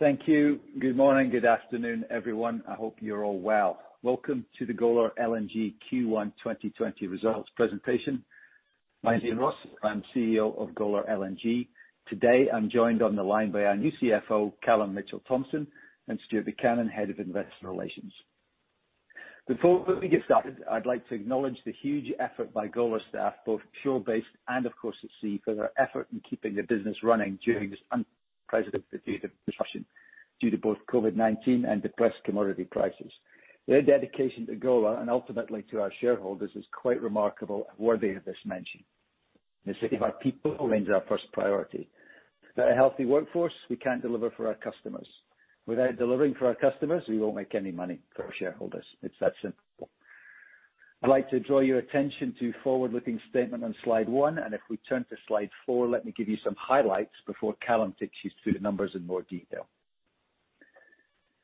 Thank you. Good morning. Good afternoon, everyone. I hope you're all well. Welcome to the Golar LNG Q1 2020 results presentation. My name is Iain Ross. I am CEO of Golar LNG. Today I am joined on the line by our new CFO, Callum Mitchell-Thomson, and Stuart Buchanan, Head of Investor Relations. Before we get started, I would like to acknowledge the huge effort by Golar staff, both shore-based and of course, at sea, for their effort in keeping the business running during this unprecedented period of disruption due to both COVID-19 and depressed commodity prices. Their dedication to Golar, and ultimately to our shareholders, is quite remarkable and worthy of this mention. The safety of our people remains our first priority. Without a healthy workforce, we cannot deliver for our customers. Without delivering for our customers, we will not make any money for our shareholders. It is that simple. I'd like to draw your attention to forward-looking statement on slide one. If we turn to slide four, let me give you some highlights before Callum takes you through the numbers in more detail.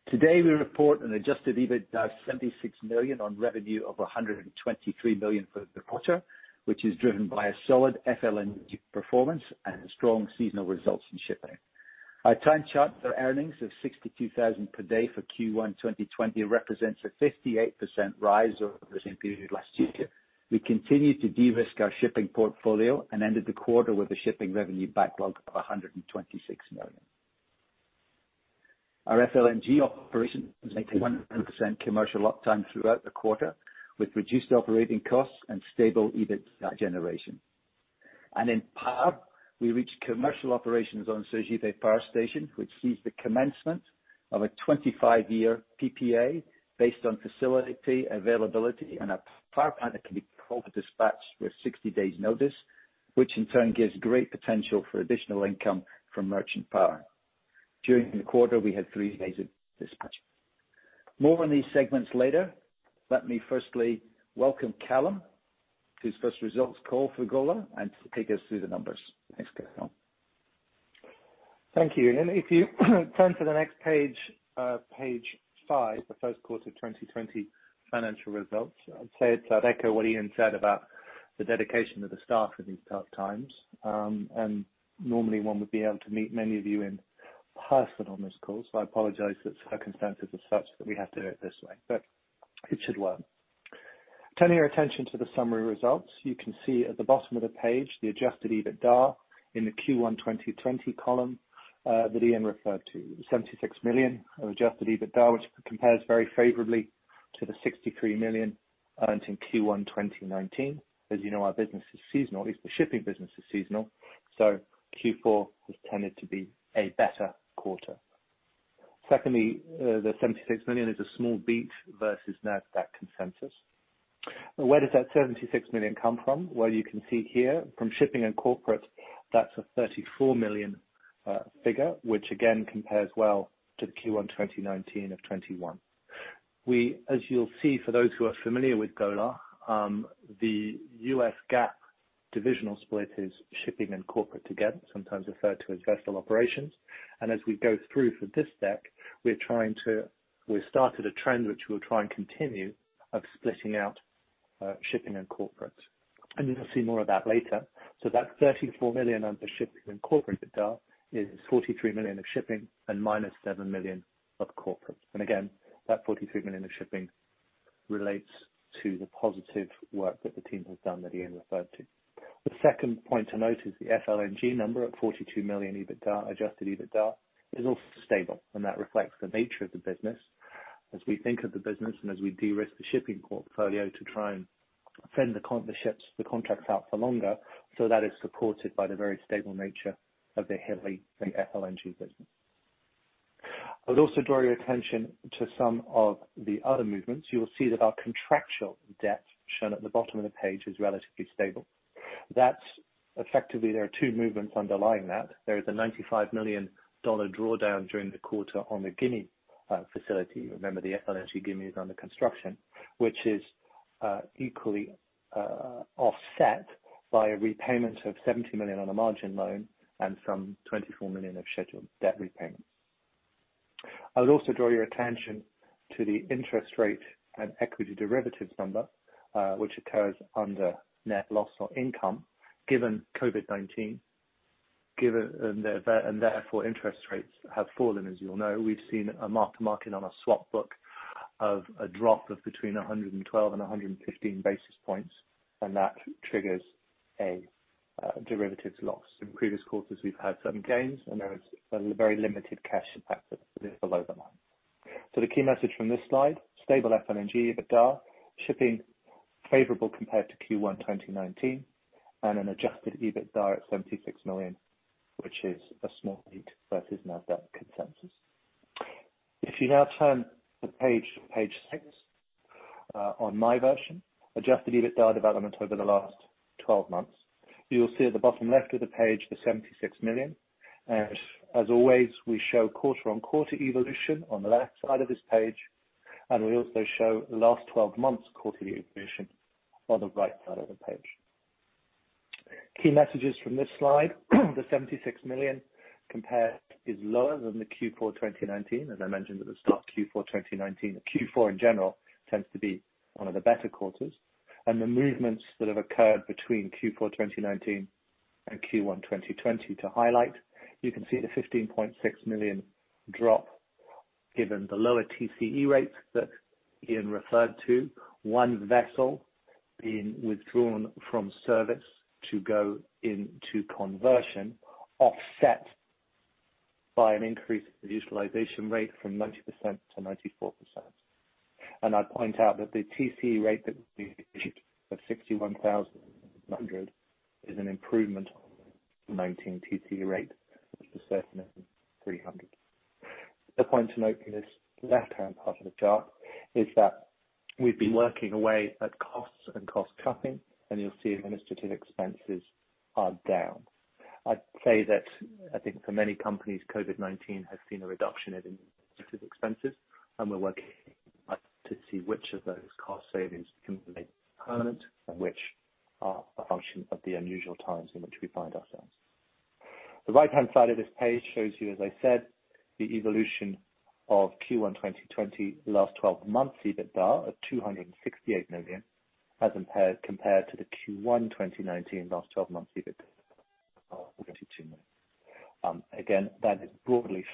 Today, we report an adjusted EBITDA of $76 million on revenue of $123 million for the quarter, which is driven by a solid FLNG performance and strong seasonal results in shipping. Our time charter earnings of $62,000 per day for Q1 2020 represents a 58% rise over the same period last year. We continued to de-risk our shipping portfolio and ended the quarter with a shipping revenue backlog of $126 million. Our FLNG operation makes 100% commercial uptime throughout the quarter, with reduced operating costs and stable EBITDA generation. In power, we reach commercial operations on Sergipe Power Station, which sees the commencement of a 25-year PPA based on facility availability and a power plant that can be called to dispatch with 60 days notice, which in turn gives great potential for additional income from merchant power. During the quarter, we had three days of dispatch. More on these segments later. Let me firstly welcome Callum to his first results call for Golar, and to take us through the numbers. Thanks, Callum. Thank you. If you turn to the next page five, the first quarter 2020 financial results. I'd say to echo what Iain said about the dedication of the staff in these tough times. Normally, one would be able to meet many of you in person on this call. I apologize that circumstances are such that we have to do it this way, it should work. Turning our attention to the summary results, you can see at the bottom of the page the adjusted EBITDA in the Q1 2020 column, that Iain referred to. $76 million of adjusted EBITDA, which compares very favorably to the $63 million earned in Q1 2019. As you know, our business is seasonal. At least the shipping business is seasonal, Q4 has tended to be a better quarter. Secondly, the $76 million is a small beat versus net debt consensus. Where does that $76 million come from? Well, you can see here from shipping and corporate, that's a $34 million figure, which again compares well to the Q1 2019 of $21. As you'll see, for those who are familiar with Golar, the U.S. GAAP divisional split is shipping and corporate together, sometimes referred to as vessel operations. As we go through for this deck, we started a trend which we'll try and continue of splitting out shipping and corporate. You'll see more of that later. That $34 million under shipping and corporate EBITDA is $43 million of shipping and -$7 million of corporate. Again, that $43 million of shipping relates to the positive work that the team has done that Iain referred to. The second point to note is the FLNG number at $42 million adjusted EBITDA is also stable. That reflects the nature of the business as we think of the business and as we de-risk the shipping portfolio to try and send the ships, the contracts out for longer. That is supported by the very stable nature of the heavily FLNG business. I would also draw your attention to some of the other movements. You will see that our contractual debt, shown at the bottom of the page, is relatively stable. That effectively there are two movements underlying that. There is a $95 million drawdown during the quarter on the Gimi facility. Remember, the FLNG Gimi is under construction. Which is equally offset by a repayment of $70 million on a margin loan and some $24 million of scheduled debt repayments. I would also draw your attention to the interest rate and equity derivatives number, which occurs under net loss or income. Given COVID-19, therefore interest rates have fallen, as you all know. We've seen a mark to market on our swap book of a drop of between 112 and 115 basis points, that triggers a derivatives loss. In previous quarters, we've had some gains, there is a very limited cash impact that is below the line. The key message from this slide, stable FLNG EBITDA, shipping favorable compared to Q1 2019, an adjusted EBITDA at $76 million, which is a small beat versus net debt consensus. If you now turn the page to page six, on my version. Adjusted EBITDA development over the last 12 months. You will see at the bottom left of the page the $76 million. As always, we show quarter-on-quarter evolution on the left side of this page, and we also show last 12 months quarterly evolution on the right side of the page. Key messages from this slide. The $76 million compared is lower than the Q4 2019. As I mentioned at the start, Q4 2019, the Q4 in general tends to be one of the better quarters. The movements that have occurred between Q4 2019 and Q1 2020 to highlight, you can see the $15.6 million drop given the lower TCE rates that Iain referred to. One vessel being withdrawn from service to go into conversion, offset by an increase in the utilization rate from 90% to 94%. I'd point out that the TCE rate that we of $61,100 is an improvement on the 2019 TCE rate, which was $300. The point to note in this left-hand part of the chart is that we've been working away at costs and cost-cutting, and you'll see administrative expenses are down. I'd say that I think for many companies, COVID-19 has seen a reduction in administrative expenses, and we're working to see which of those cost savings can be made permanent and which are a function of the unusual times in which we find ourselves. The right-hand side of this page shows you, as I said, the evolution of Q1 2020 last 12 months, EBITDA of $268 million, as compared to the Q1 2019 last 12 months EBITDA of $22 million. That is broadly,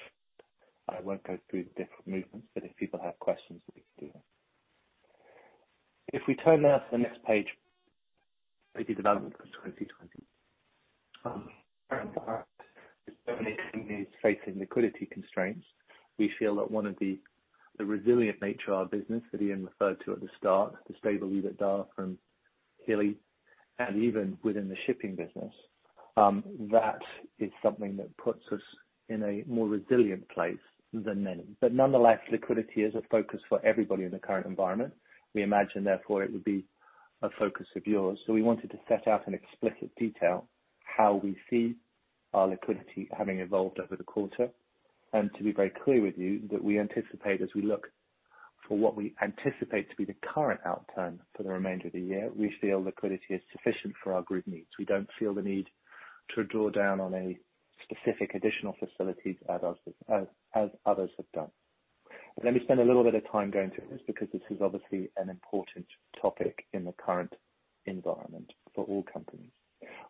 I won't go through the different movements, but if people have questions, we can do that. We turn now to the next page, the development for 2020. Currently, many companies are facing liquidity constraints. We feel that one of the resilient nature of our business that Iain referred to at the start, the stable EBITDA from Golar LNG, and even within the shipping business, that is something that puts us in a more resilient place than many. Nonetheless, liquidity is a focus for everybody in the current environment. We imagine, therefore, it would be a focus of yours. We wanted to set out in explicit detail how we see our liquidity having evolved over the quarter, and to be very clear with you that we anticipate as we look for what we anticipate to be the current outcome for the remainder of the year, we feel liquidity is sufficient for our group needs. We don't feel the need to draw down on a specific additional facilities as others have done. Let me spend a little bit of time going through this because this is obviously an important topic in the current environment for all companies.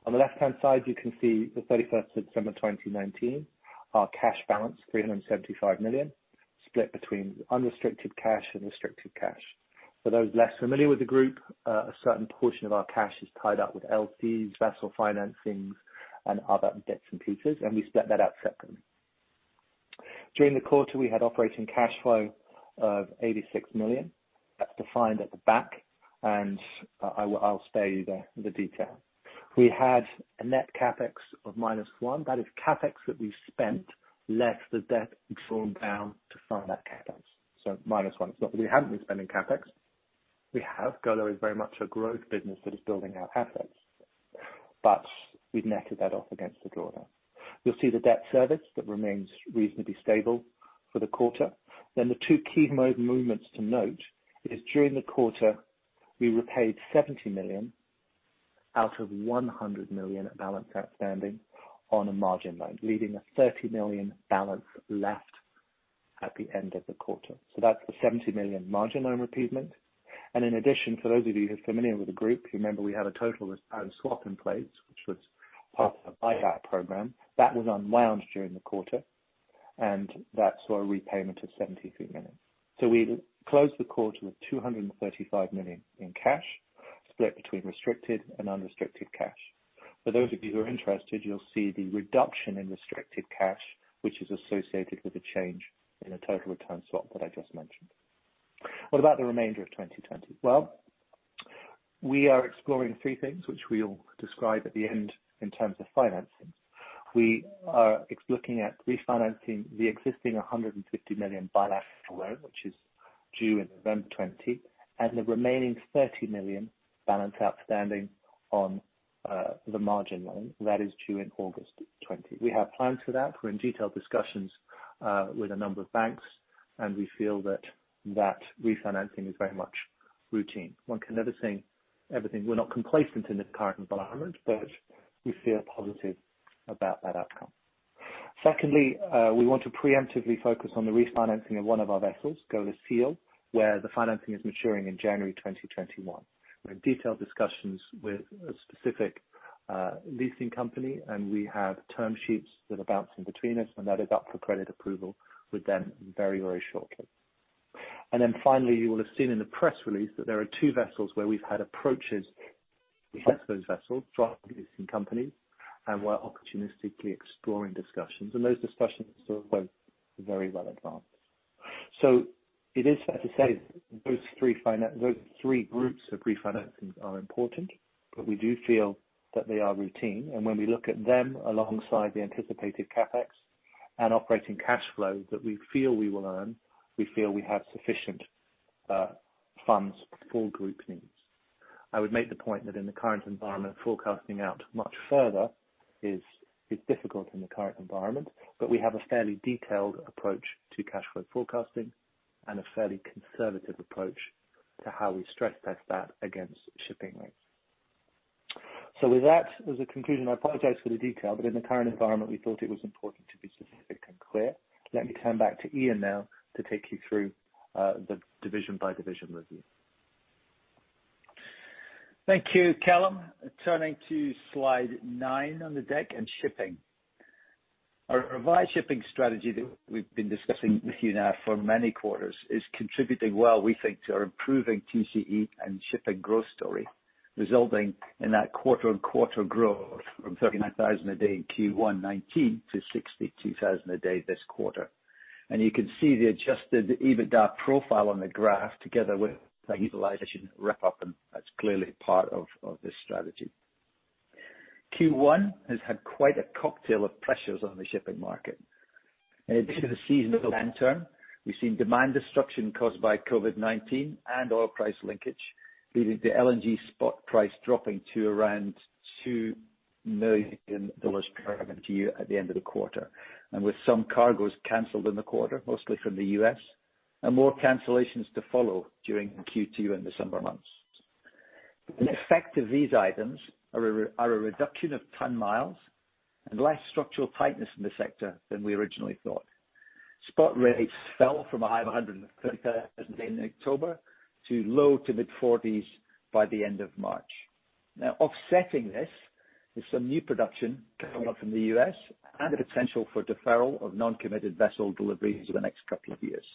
On the left-hand side, you can see the 31st of December 2019, our cash balance $375 million, split between unrestricted cash and restricted cash. For those less familiar with the group, a certain portion of our cash is tied up with LCs, vessel financings, and other debts and leases, and we split that out separately. During the quarter, we had operating cash flow of $86 million. That's defined at the back, and I'll spare you the detail. We had a net CapEx of minus one. That is CapEx that we spent, less the debt we've drawn down to fund that CapEx. Minus one. It's not that we haven't been spending CapEx. We have. Golar is very much a growth business that is building out assets. We've netted that off against the draw down. You'll see the debt service that remains reasonably stable for the quarter. The two key mode movements to note is during the quarter, we repaid $70 million out of $100 million at balance outstanding on a margin loan, leaving a $30 million balance left at the end of the quarter. That's the $70 million margin loan repayment. In addition, for those of you who are familiar with the group, you remember we had a total return swap in place, which was part of the buyback program. That was unwound during the quarter, and that saw a repayment of $73 million. We closed the quarter with $235 million in cash, split between restricted and unrestricted cash. For those of you who are interested, you'll see the reduction in restricted cash, which is associated with a change in the total return swap that I just mentioned. What about the remainder of 2020? Well, we are exploring three things which we'll describe at the end in terms of financings. We are looking at refinancing the existing $150 million bilateral loan, which is due in November 2020, and the remaining $30 million balance outstanding on the margin loan that is due in August 2020. We have plans for that. We're in detailed discussions with a number of banks, and we feel that that refinancing is very much routine. One can never say everything. We're not complacent in this current environment, but we feel positive about that outcome. We want to preemptively focus on the refinancing of one of our vessels, Golar Seal, where the financing is maturing in January 2021. We're in detailed discussions with a specific leasing company, and we have term sheets that are bouncing between us, and that is up for credit approval with them very, very shortly. Finally, you will have seen in the press release that there are two vessels where we've had approaches to those vessels from leasing companies, and we're opportunistically exploring discussions, and those discussions are both very well advanced. It is fair to say those three groups of refinancings are important, but we do feel that they are routine. When we look at them alongside the anticipated CapEx and operating cash flows that we feel we will earn, we feel we have sufficient funds for group needs. I would make the point that in the current environment, forecasting out much further is difficult in the current environment, but we have a fairly detailed approach to cash flow forecasting and a fairly conservative approach to how we stress test that against shipping rates. With that, as a conclusion, I apologize for the detail, but in the current environment, we thought it was important to be specific and clear. Let me turn back to Iain now to take you through the division by division review. Thank you, Callum. Turning to slide nine on the deck and shipping. Our revised shipping strategy that we've been discussing with you now for many quarters is contributing well, we think, to our improving TCE and shipping growth story, resulting in that quarter-over-quarter growth from $39,000 a day in Q1 2019 to $62,000 a day this quarter. You can see the adjusted EBITDA profile on the graph together with the utilization wrap-up, and that's clearly part of this strategy. Q1 has had quite a cocktail of pressures on the shipping market. In addition to the seasonal downturn, we've seen demand destruction caused by COVID-19 and oil price linkage, leading to LNG spot price dropping to around $2 million per MMBtu at the end of the quarter. With some cargoes canceled in the quarter, mostly from the U.S., and more cancellations to follow during Q2 and December months. The effect of these items are a reduction of ton miles and less structural tightness in the sector than we originally thought. Spot rates fell from a high of $130,000 in October to low to mid-$40s by the end of March. Offsetting this is some new production coming up from the U.S. and the potential for deferral of non-committed vessel deliveries over the next couple of years.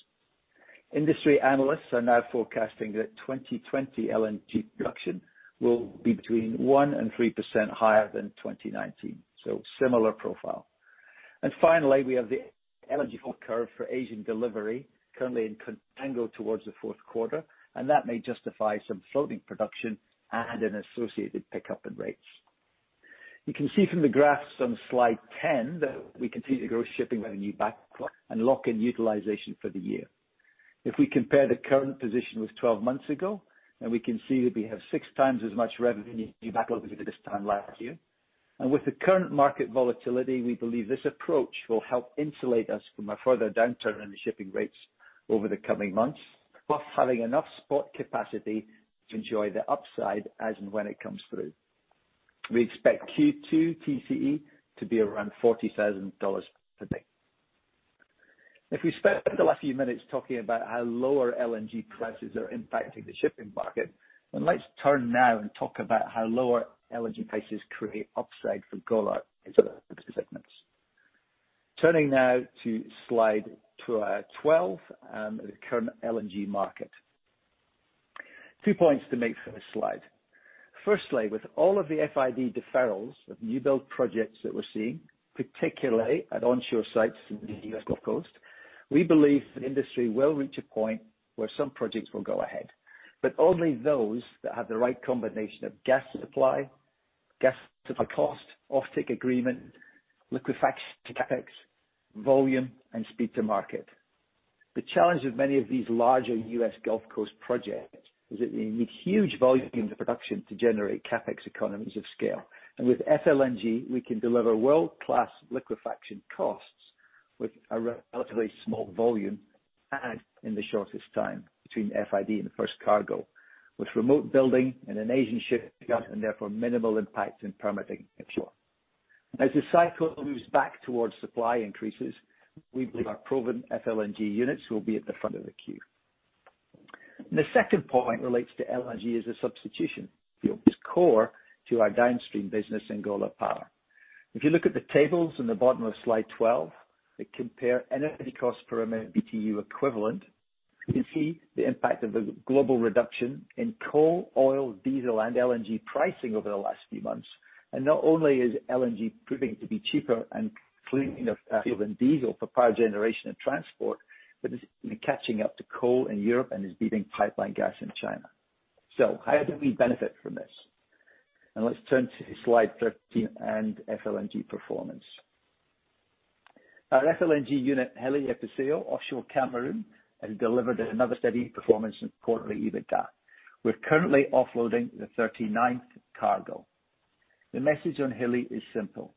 Industry analysts are now forecasting that 2020 LNG production will be between 1% and 3% higher than 2019, so similar profile. Finally, we have the LNG forward curve for Asian delivery currently in contango towards the fourth quarter, and that may justify some floating production and an associated pickup in rates. You can see from the graphs on slide 10 that we continue to grow shipping revenue backlog and lock in utilization for the year. If we compare the current position with 12 months ago, we can see that we have six times as much revenue backlog as at this time last year. With the current market volatility, we believe this approach will help insulate us from a further downturn in the shipping rates over the coming months, whilst having enough spot capacity to enjoy the upside as and when it comes through. We expect Q2 TCE to be around $40,000 a day. If we spend the last few minutes talking about how lower LNG prices are impacting the shipping market, let's turn now and talk about how lower LNG prices create upside for Golar in other business segments. Turning now to slide 12, the current LNG market. Two points to make for this slide. Firstly, with all of the FID deferrals of new build projects that we're seeing, particularly at onshore sites in the U.S. Gulf Coast, we believe the industry will reach a point where some projects will go ahead. Only those that have the right combination of gas supply, gas supply cost, offtake agreement, liquefaction CapEx, volume, and speed to market. The challenge with many of these larger U.S. Gulf Coast projects is that they need huge volumes of production to generate CapEx economies of scale. With FLNG, we can deliver world-class liquefaction costs with a relatively small volume and in the shortest time between FID and the first cargo, with remote building and an Asian shipyard, and therefore minimal impact in permitting onshore. As the cycle moves back towards supply increases, we believe our proven FLNG units will be at the front of the queue. The second point relates to LNG as a substitution fuel is core to our downstream business in Golar Power. If you look at the tables in the bottom of slide 12, they compare energy cost per MMBtu equivalent. You can see the impact of the global reduction in coal, oil, diesel, and LNG pricing over the last few months. Not only is LNG proving to be cheaper and cleaner fuel than diesel for power generation and transport, but it's been catching up to coal in Europe and is beating pipeline gas in China. How do we benefit from this? Let's turn to slide 13 and FLNG performance. Our FLNG unit Hilli Episeyo offshore Cameroon has delivered another steady performance in quarterly EBITDA. We're currently offloading the 39th cargo. The message on Hilli is simple.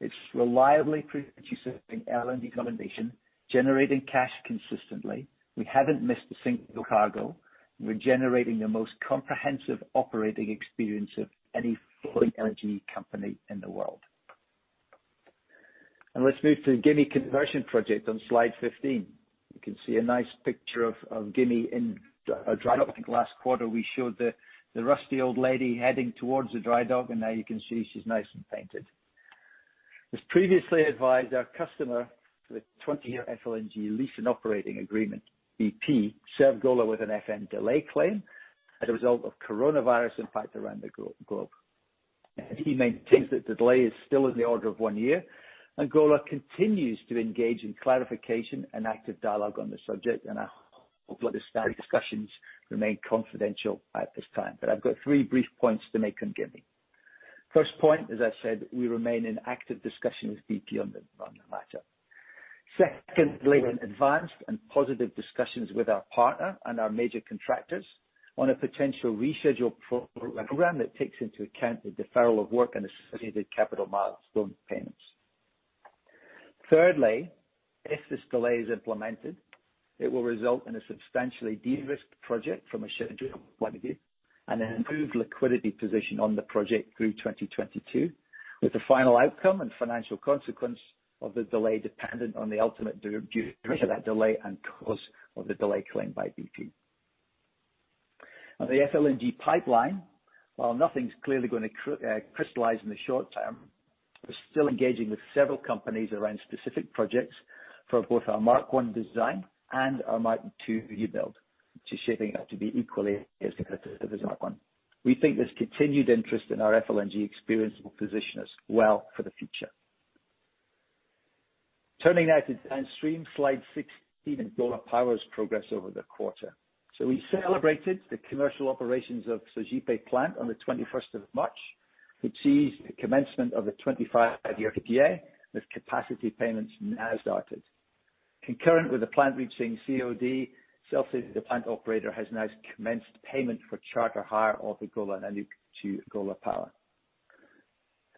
It's reliably producing LNG combination, generating cash consistently. We haven't missed a single cargo. We're generating the most comprehensive operating experience of any floating FLNG company in the world. Let's move to the Gimi conversion project on slide 15. You can see a nice picture of Gimi in dry dock. Last quarter, we showed the rusty old lady heading towards the dry dock, and now you can see she's nice and painted. As previously advised, our customer for the 20-year FLNG lease and operating agreement, BP, served Golar with an FM delay claim as a result of coronavirus impact around the globe. BP maintains that the delay is still in the order of one year. Golar continues to engage in clarification and active dialogue on the subject, and I hope all these discussions remain confidential at this time. I've got three brief points to make on Gimi. First point, as I said, we remain in active discussion with BP on the matter. Secondly, we're in advanced and positive discussions with our partner and our major contractors on a potential reschedule program that takes into account the deferral of work and associated capital milestone payments. Thirdly, if this delay is implemented, it will result in a substantially de-risked project from a scheduling point of view. An improved liquidity position on the project through 2022, with the final outcome and financial consequence of the delay dependent on the ultimate duration of that delay and cause of the delay claimed by BP. On the FLNG pipeline, while nothing's clearly going to crystallize in the short term, we're still engaging with several companies around specific projects for both our Mark I design and our Mark II rebuild, which is shaping up to be equally as competitive as Mark I. We think this continued interest in our FLNG experience will position us well for the future. Turning now to downstream, slide 16, and Golar Power's progress over the quarter. We celebrated the commercial operations of Sergipe Plant on the 21st of March, which sees the commencement of a 25-year PPA with capacity payments now started. Concurrent with the plant reaching COD, Shell, the plant operator, has now commenced payment for charter hire of the Golar Nanook to Golar Power.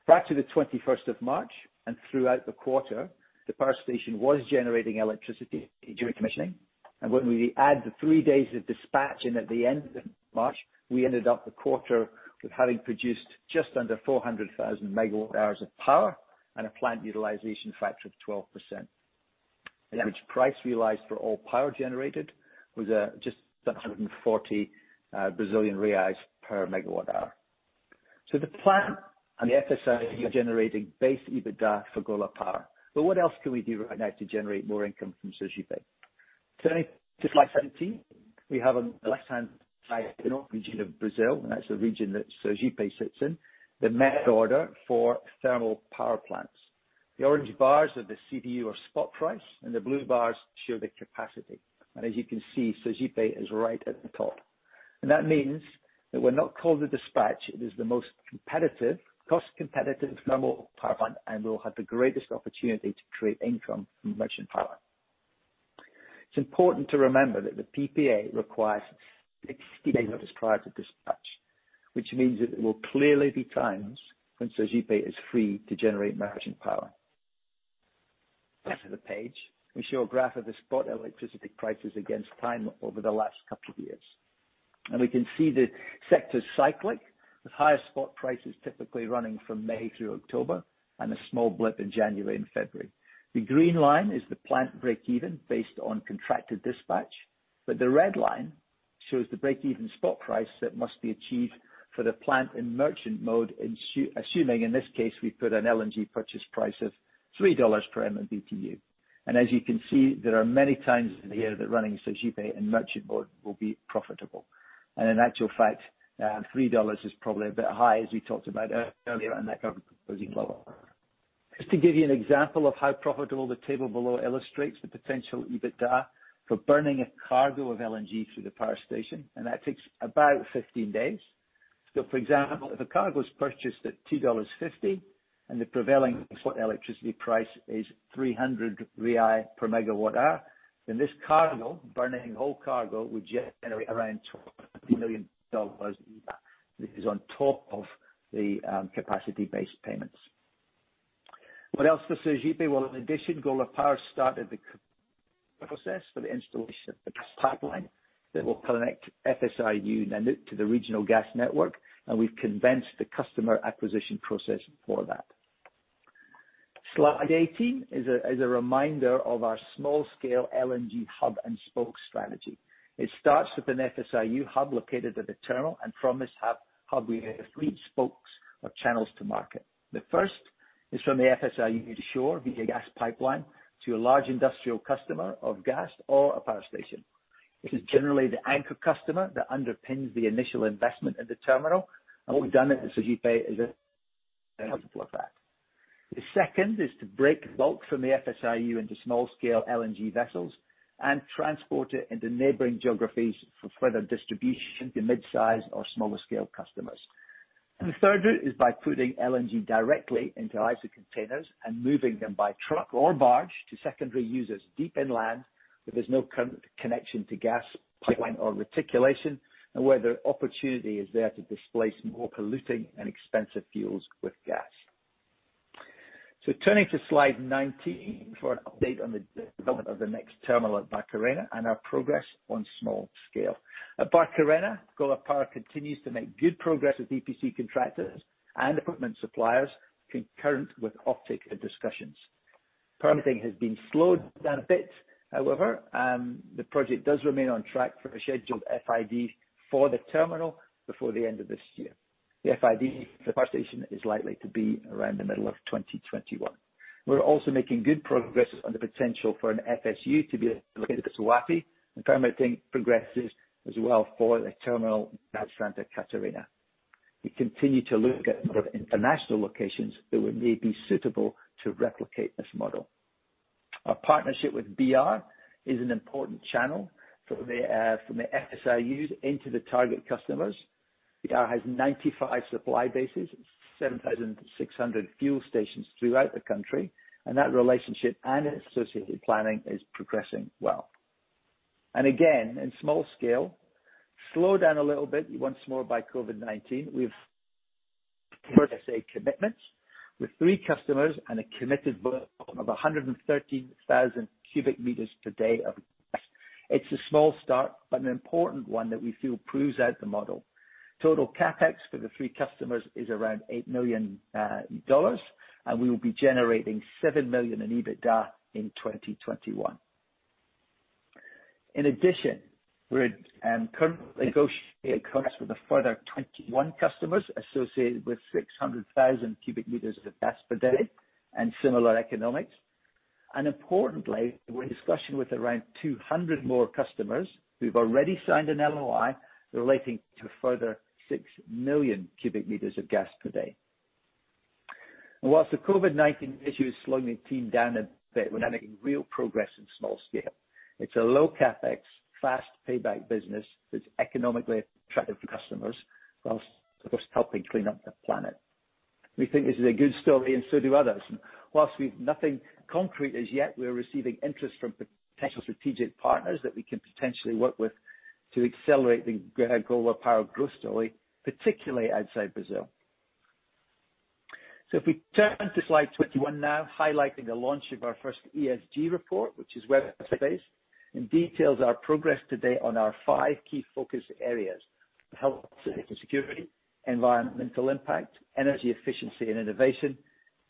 Back to the 21st of March and throughout the quarter, the power station was generating electricity during commissioning. When we add the three days of dispatch in at the end of March, we ended up the quarter with having produced just under 400,000 MW hours of power and a plant utilization factor of 12%. The average price realized for all power generated was just 140 Brazilian reais per MWh. The plant and the FSRU are generating base EBITDA for Golar Power. What else can we do right now to generate more income from Sergipe? Turning to slide 17. We have on the left-hand side the Northeast region of Brazil, and that's the region that Sergipe sits in, the merit order for thermal power plants. The orange bars are the CDU or spot price, and the blue bars show the capacity. As you can see, Sergipe is right at the top. That means that when not called to dispatch, it is the most cost-competitive thermal power plant and will have the greatest opportunity to create income from merchant power. It's important to remember that the PPA requires 60 days notice prior to dispatch, which means that there will clearly be times when Sergipe is free to generate merchant power. Back to the page, we show a graph of the spot electricity prices against time over the last couple of years. We can see the sector's cyclic, with higher spot prices typically running from May through October and a small blip in January and February. The green line is the plant break-even based on contracted dispatch, but the red line shows the break-even spot price that must be achieved for the plant in merchant mode, assuming in this case, we put an LNG purchase price of $3 per MMBtu. As you can see, there are many times in the year that running Sergipe in merchant mode will be profitable. In actual fact, $3 is probably a bit high, as we talked about earlier, and that covers BRL 140. Just to give you an example of how profitable, the table below illustrates the potential EBITDA for burning a cargo of LNG through the power station, and that takes about 15 days. For example, if a cargo is purchased at $2.50 and the prevailing spot electricity price is 300 per MWh, then this cargo, burning the whole cargo, would generate around $12 million in EBITDA. This is on top of the capacity-based payments. What else for Sergipe? Well, in addition, Golar Power started the process for the installation of the gas pipeline that will connect FSRU Nanook to the regional gas network, and we've commenced the customer acquisition process for that. Slide 18 is a reminder of our small-scale LNG hub and spoke strategy. It starts with an FSRU hub located at the terminal, and from this hub, we have three spokes or channels to market. The first is from the FSRU to shore via gas pipeline to a large industrial customer of gas or a power station. This is generally the anchor customer that underpins the initial investment in the terminal, and what we've done at Sergipe is 1,000+ that. The second is to break bulk from the FSRU into small-scale LNG vessels and transport it into neighboring geographies for further distribution to mid-size or smaller scale customers. The third route is by putting LNG directly into ISO containers and moving them by truck or barge to secondary users deep inland, where there is no current connection to gas pipeline or reticulation and where the opportunity is there to displace more polluting and expensive fuels with gas. Turning to slide 19 for an update on the development of the next terminal at Barcarena and our progress on small scale. At Barcarena, Golar Power continues to make good progress with EPC contractors and equipment suppliers concurrent with offtake discussions. Permitting has been slowed down a bit, however, the project does remain on track for a scheduled FID for the terminal before the end of this year. The FID for the power station is likely to be around the middle of 2021. We're also making good progress on the potential for an FSU to be located at Suape, and permitting progresses as well for the terminal at Santa Catarina. We continue to look at other international locations that may be suitable to replicate this model. Our partnership with BR is an important channel from the FSRUs into the target customers. BR has 95 supply bases and 7,600 fuel stations throughout the country, and that relationship and its associated planning is progressing well. Again, in small scale, slowed down a little bit once more by COVID-19. Of course, I say commitments with three customers and a committed book of 113,000 cubic meters per day of gas. It's a small start, but an important one that we feel proves out the model. Total CapEx for the three customers is around $8 million, and we will be generating $7 million in EBITDA in 2021. In addition, we're currently negotiating contracts with a further 21 customers associated with 600,000 cubic meters of gas per day and similar economics. Importantly, we're in discussion with around 200 more customers who've already signed an LOI relating to a further 6 million cubic meters of gas per day. Whilst the COVID-19 issue is slowing the team down a bit, we're making real progress in small scale. It's a low CapEx, fast payback business that's economically attractive for customers whilst of course, helping clean up the planet. We think this is a good story and so do others. Whilst we've nothing concrete as yet, we're receiving interest from potential strategic partners that we can potentially work with to accelerate the Golar Power growth story, particularly outside Brazil. If we turn to slide 21 now, highlighting the launch of our first ESG report, which is web-based, and details our progress to date on our five key focus areas. Health, safety, security, environmental impact, energy efficiency and innovation,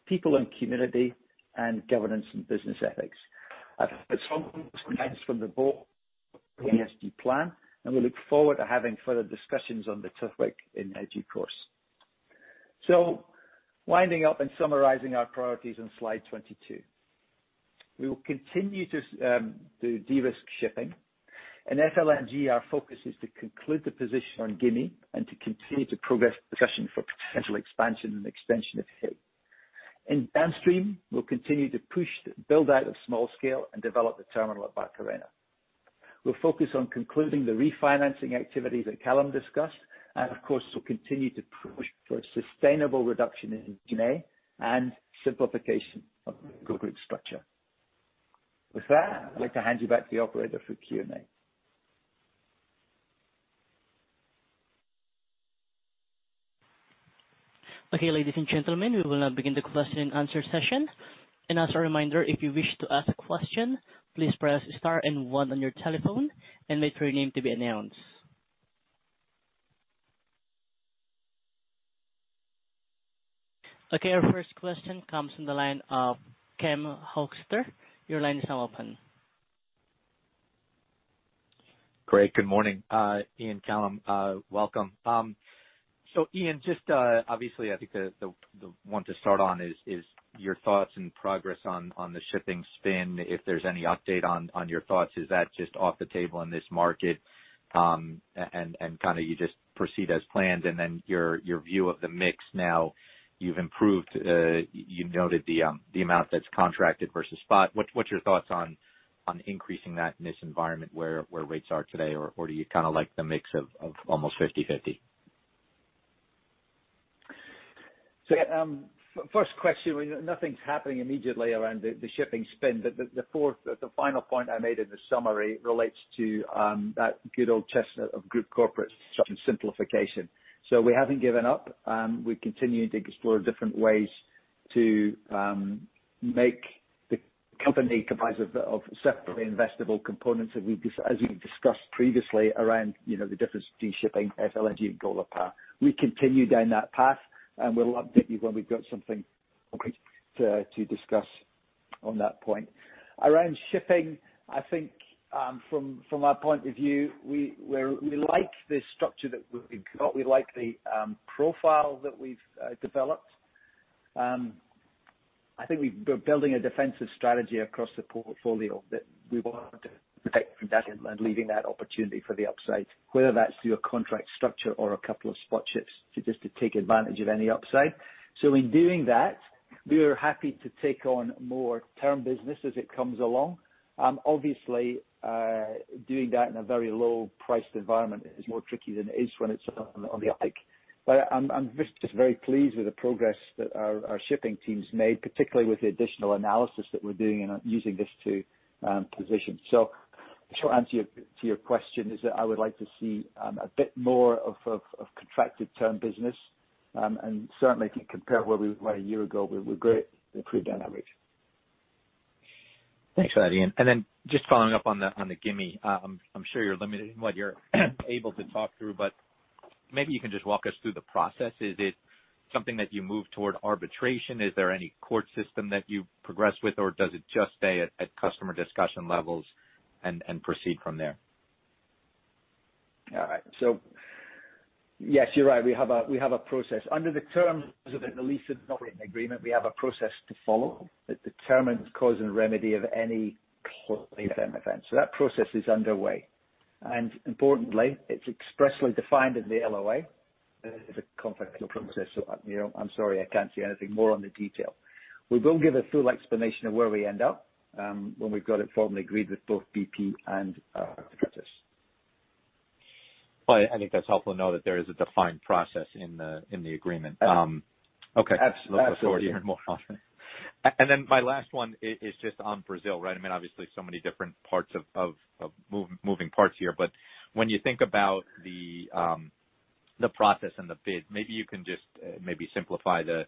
people and community, and governance and business ethics. I've had strong comments from the board on the ESG plan, and we look forward to having further discussions on the topic in due course. Winding up and summarizing our priorities on slide 22. We will continue to de-risk shipping. In FLNG, our focus is to conclude the position on Gimi and to continue to progress discussion for potential expansion and extension of Hilli. In downstream, we'll continue to push the build-out of small scale and develop the terminal at Barcarena. We'll focus on concluding the refinancing activities that Callum discussed. Of course, we'll continue to push for a sustainable reduction in net G&A and simplification of the group structure. With that, I'd like to hand you back to the operator for Q&A. Okay, ladies and gentlemen, we will now begin the question and answer session. As a reminder, if you wish to ask a question, please press star and one on your telephone and wait for your name to be announced. Okay, our first question comes from the line of Ken Hoexter. Your line is now open. Great. Good morning, Iain, Callum. Welcome. Iain, just obviously, I think the one to start on is your thoughts and progress on the shipping spin. If there's any update on your thoughts, is that just off the table in this market? You just proceed as planned, then your view of the mix now you've improved, you noted the amount that's contracted versus spot. What's your thoughts on increasing that in this environment where rates are today, or do you like the mix of almost 50/50? First question, nothing's happening immediately around the shipping spin. The final point I made in the summary relates to that good old chestnut of group corporate structure and simplification. We haven't given up. We're continuing to explore different ways to make the company comprised of separately investable components as we discussed previously around the difference between shipping, FLNG, and Golar Power. We continue down that path, and we'll update you when we've got something concrete to discuss on that point. Around shipping, I think from our point of view, we like this structure that we've got. We like the profile that we've developed. I think we're building a defensive strategy across the portfolio that we want to protect from that and leaving that opportunity for the upside, whether that's through a contract structure or a couple of spot ships to just to take advantage of any upside. In doing that, we are happy to take on more term business as it comes along. Obviously, doing that in a very low-priced environment is more tricky than it is when it's on the uptick. I'm just very pleased with the progress that our shipping team's made, particularly with the additional analysis that we're doing in using this to position. Short answer to your question is that I would like to see a bit more of contracted term business, and certainly compared to where we were a year ago, we're great. We've proved our average. Thanks for that, Iain. Just following up on the Gimi. I'm sure you're limited in what you're able to talk through, but maybe you can just walk us through the process. Is it something that you move toward arbitration? Is there any court system that you progress with, or does it just stay at customer discussion levels and proceed from there? All right. Yes, you're right. We have a process. Under the terms of the lease and operating agreement, we have a process to follow that determines cause and remedy of any claim event. That process is underway. Importantly, it's expressly defined in the LOA. This is a confidential process, I'm sorry, I can't say anything more on the detail. We will give a full explanation of where we end up, when we've got it formally agreed with both BP and Petrobras. Well, I think that's helpful to know that there is a defined process in the agreement. Absolutely. Okay. Look forward to hearing more on it. My last one is just on Brazil, right? Obviously so many different moving parts here, but when you think about the process and the bid, maybe you can just maybe simplify the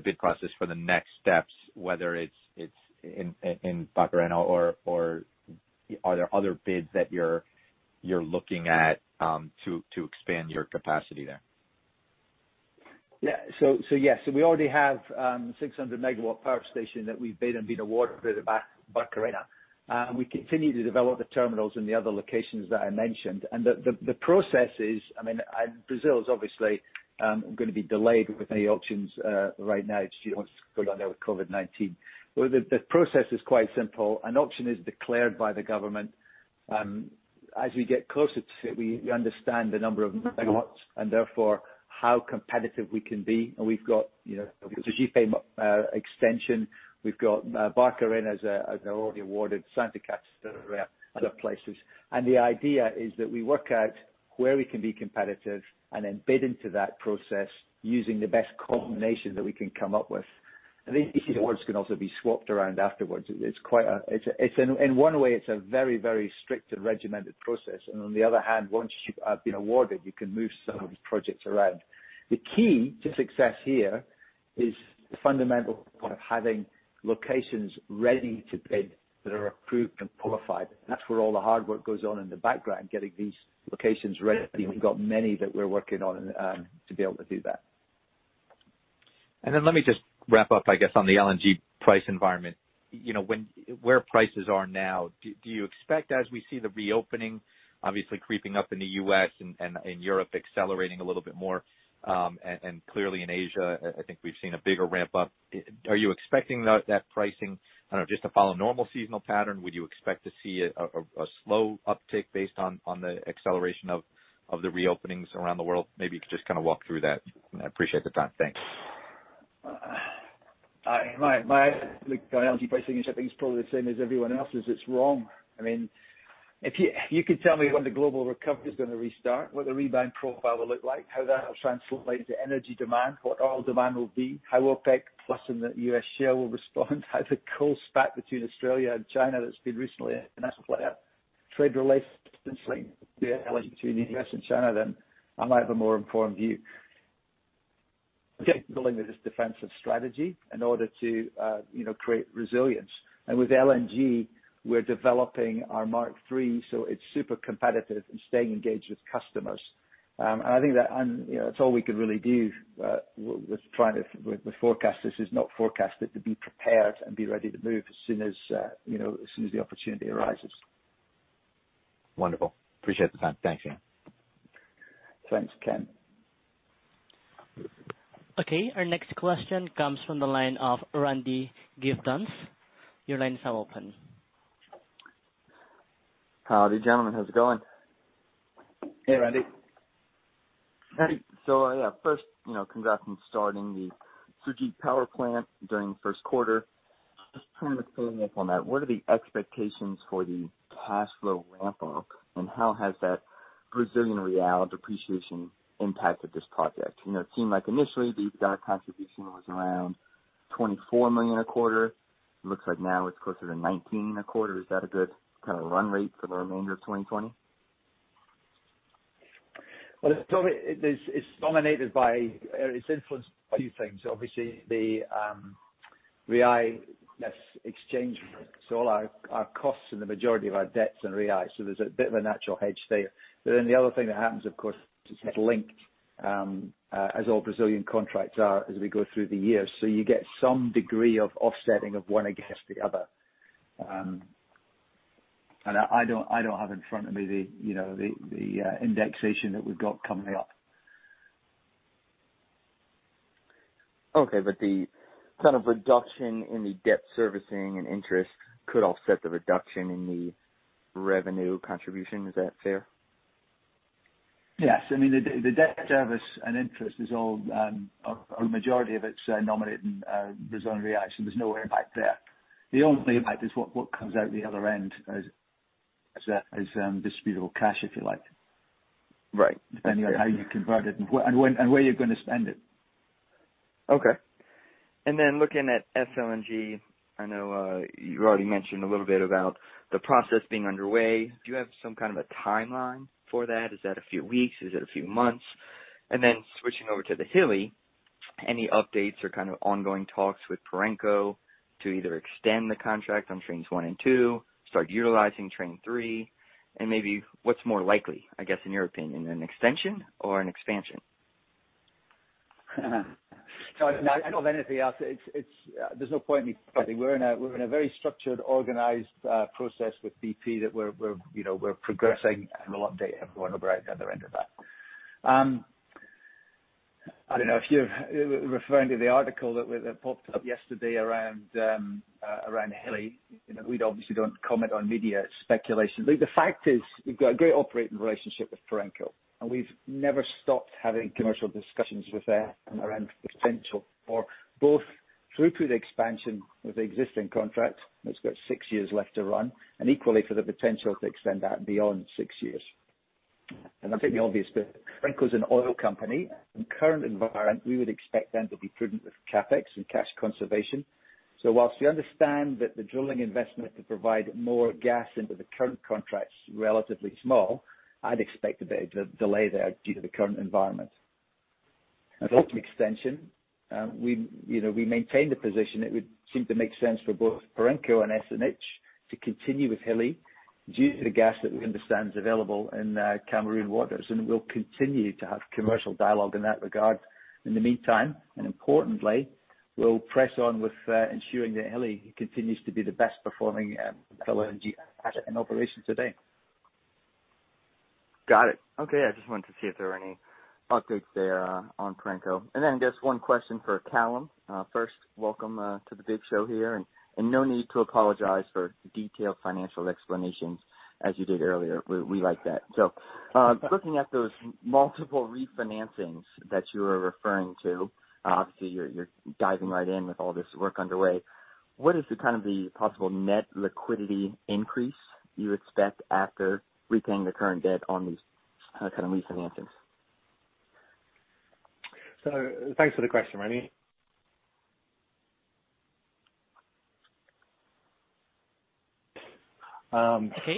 bid process for the next steps, whether it's in Barcarena or are there other bids that you're looking at to expand your capacity there? Yes. We already have a 600-MW power station that we've bid and been awarded at Barcarena. We continue to develop the terminals in the other locations that I mentioned. The process is, Brazil is obviously going to be delayed with any auctions right now due to what's going on there with COVID-19. The process is quite simple. An auction is declared by the government. As we get closer to it, we understand the number of megawatt, and therefore, how competitive we can be. We've got the Sergipe extension, we've got Barcarena as already awarded, Santa Catarina, other places. The idea is that we work out where we can be competitive and then bid into that process using the best combination that we can come up with. These awards can also be swapped around afterwards. In one way, it's a very, very strict and regimented process. On the other hand, once you've been awarded, you can move some of these projects around. The key to success here is the fundamental point of having locations ready to bid that are approved and qualified. That's where all the hard work goes on in the background, getting these locations ready. We've got many that we're working on to be able to do that. Let me just wrap up, I guess, on the LNG price environment. Where prices are now, do you expect as we see the reopening obviously creeping up in the U.S. and in Europe accelerating a little bit more, clearly in Asia, I think we've seen a bigger ramp up. Are you expecting that pricing, I don't know, just to follow normal seasonal pattern? Would you expect to see a slow uptick based on the acceleration of the reopenings around the world? Maybe you could just walk through that. I appreciate the time. Thanks. My outlook on LNG pricing, I think it's probably the same as everyone else's. It's wrong. If you could tell me when the global recovery is going to restart, what the rebound profile will look like, how that will translate into energy demand, what oil demand will be, how OPEC plus and the U.S. shale will respond, how the coal spat between Australia and China that's been recently announced will play out, trade relations between the U.S. and China, then I might have a more informed view. Building with this defensive strategy in order to create resilience. With LNG, we're developing our Mark III, so it's super competitive and staying engaged with customers. I think that it's all we can really do with trying to with forecast. This is not forecasted to be prepared and be ready to move as soon as the opportunity arises. Wonderful. Appreciate the time. Thank you. Thanks, Ken. Okay. Our next question comes from the line of Randy Giveans. Your lines are open. Howdy, gentlemen. How's it going? Hey, Randy. Hey. First, congrats on starting the Sergipe Power Plant during the first quarter. Just kind of following up on that, what are the expectations for the cash flow ramp-up, and how has that Brazilian real depreciation impacted this project? It seemed like initially the EBITDA contribution was around $24 million a quarter. It looks like now it's closer to $19 million a quarter. Is that a good kind of run rate for the remainder of 2020? It's dominated by or it's influenced by a few things. The Real exchange rate. All our costs and the majority of our debts in Real. There's a bit of a natural hedge there. The other thing that happens, of course, it's linked, as all Brazilian contracts are, as we go through the years. You get some degree of offsetting of one against the other. I don't have in front of me the indexation that we've got coming up. Okay. The kind of reduction in the debt servicing and interest could offset the reduction in the revenue contribution. Is that fair? Yes. The debt service and interest, a majority of it's denominated in Brazilian reais, so there's no impact there. The only impact is what comes out the other end as distributable cash, if you like. Right. Depending on how you convert it and where you're going to spend it. Okay. Looking at FLNG, I know you already mentioned a little bit about the process being underway. Do you have some kind of a timeline for that? Is that a few weeks? Is it a few months? Switching over to the Hilli, any updates or kind of ongoing talks with Perenco to either extend the contract on trains one and two, start utilizing train three? Maybe what's more likely, I guess, in your opinion, an extension or an expansion? I don't have anything else. There's no point in me predicting. We're in a very structured, organized process with BP that we're progressing, and we'll update everyone right at the end of that. I don't know if you're referring to the article that popped up yesterday around Hilli. We obviously don't comment on media speculation. The fact is, we've got a great operating relationship with Perenco, and we've never stopped having commercial discussions with them around the potential for both throughput expansion with the existing contract that's got six years left to run, and equally for the potential to extend that beyond six years. I'll state the obvious, but Perenco is an oil company. In the current environment, we would expect them to be prudent with CapEx and cash conservation. Whilst we understand that the drilling investment to provide more gas into the current contracts is relatively small, I'd expect a bit of delay there due to the current environment. As to extension, we maintain the position. It would seem to make sense for both Perenco and SNH to continue with Hilli due to the gas that we understand is available in Cameroon waters, and we'll continue to have commercial dialogue in that regard. In the meantime, and importantly, we'll press on with ensuring that Hilli continues to be the best-performing FLNG asset in operation today. Got it. Okay. I just wanted to see if there were any updates there on Perenco. Just one question for Callum. First, welcome to the big show here, and no need to apologize for detailed financial explanations as you did earlier. We like that. Looking at those multiple refinancings that you were referring to, obviously, you're diving right in with all this work underway. What is the possible net liquidity increase you expect after repaying the current debt on these kind of refinancings? Thanks for the question, Randy.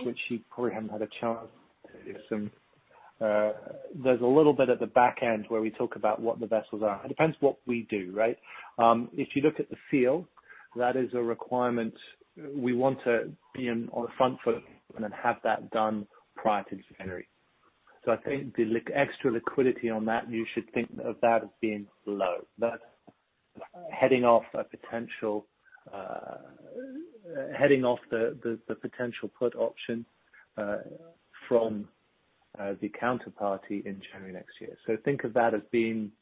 Which you probably haven't had a chance to see some. There's a little bit at the back end where we talk about what the vessels are. It depends what we do, right? If you look at the field, that is a requirement. We want to be on the front foot and then have that done prior to January. I think the extra liquidity on that, you should think of that as being low. That's heading off the potential put option from the counterparty in January next year. Think of that as being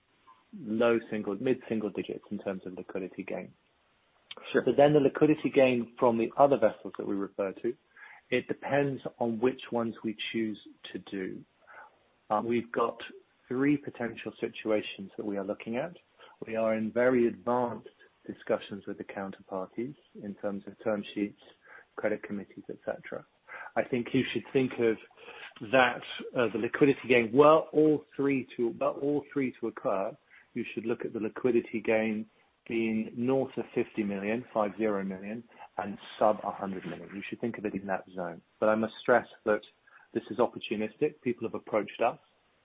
low single, mid-single digits in terms of liquidity gain. The liquidity gain from the other vessels that we refer to, it depends on which ones we choose to do. We've got three potential situations that we are looking at. We are in very advanced discussions with the counterparties in terms of term sheets, credit committees, et cetera. I think you should think of that as a liquidity gain. All three to occur, you should look at the liquidity gain being north of $50 million, five zero million and sub $100 million. You should think of it in that zone. I must stress that this is opportunistic. People have approached us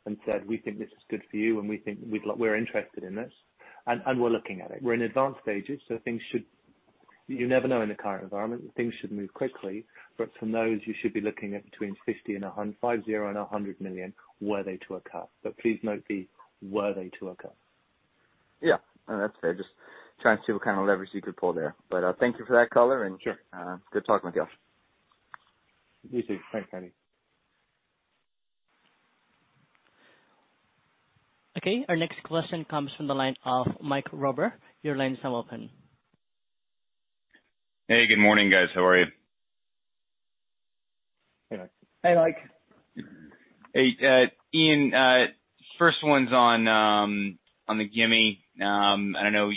and said, "We think this is good for you, and we're interested in this." We're looking at it. We're in advanced stages, you never know in the current environment. Things should move quickly. From those, you should be looking at between $50 million and $100 million were they to occur. Please note the were they to occur. Yeah. No, that's fair. Just trying to see what kind of leverage you could pull there. Thank you for that color. Sure. Good talking with you all. You too. Thanks, Randy. Okay. Our next question comes from the line of Mike Rober. Your line is now open. Hey, good morning, guys. How are you? Hey, Mike. Hey. Iain, first one's on the Gimi. I know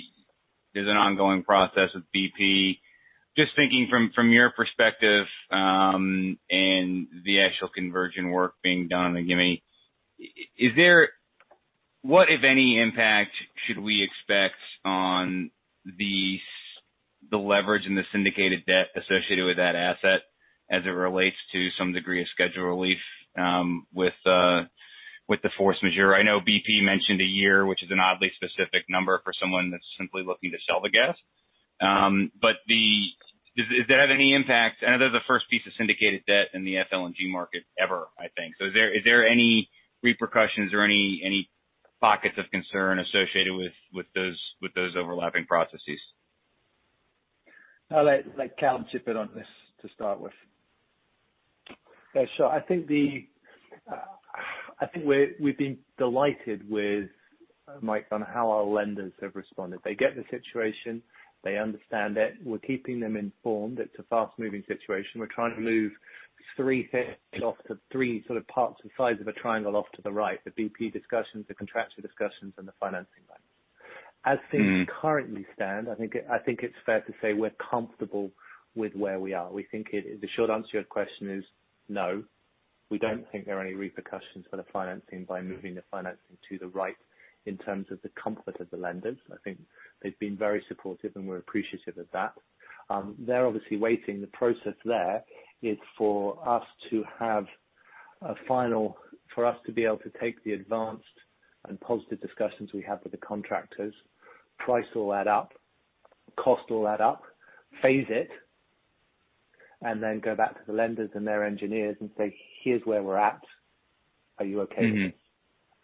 there's an ongoing process with BP. Just thinking from your perspective, and the actual conversion work being done on the Gimi, what, if any, impact should we expect on the leverage and the syndicated debt associated with that asset as it relates to some degree of schedule relief with the force majeure? I know BP mentioned a year, which is an oddly specific number for someone that's simply looking to sell the gas. Does it have any impact? I know they're the first piece of syndicated debt in the FLNG market ever, I think. Is there any repercussions or any pockets of concern associated with those overlapping processes? I'll let Callum chip in on this to start with. Yeah, sure. I think we've been delighted with, Mike, on how our lenders have responded. They get the situation. They understand it. We're keeping them informed. It's a fast-moving situation. We're trying to move three things off the three parts and sides of a triangle off to the right, the BP discussions, the contractor discussions, and the financing line. As things currently stand, I think it's fair to say we're comfortable with where we are. The short answer to your question is no, we don't think there are any repercussions for the financing by moving the financing to the right in terms of the comfort of the lenders. I think they've been very supportive, and we're appreciative of that. They're obviously waiting. The process there is for us to be able to take the advanced and positive discussions we have with the contractors, price all that up, cost all that up, phase it, and then go back to the lenders and their engineers and say, "Here's where we're at. Are you okay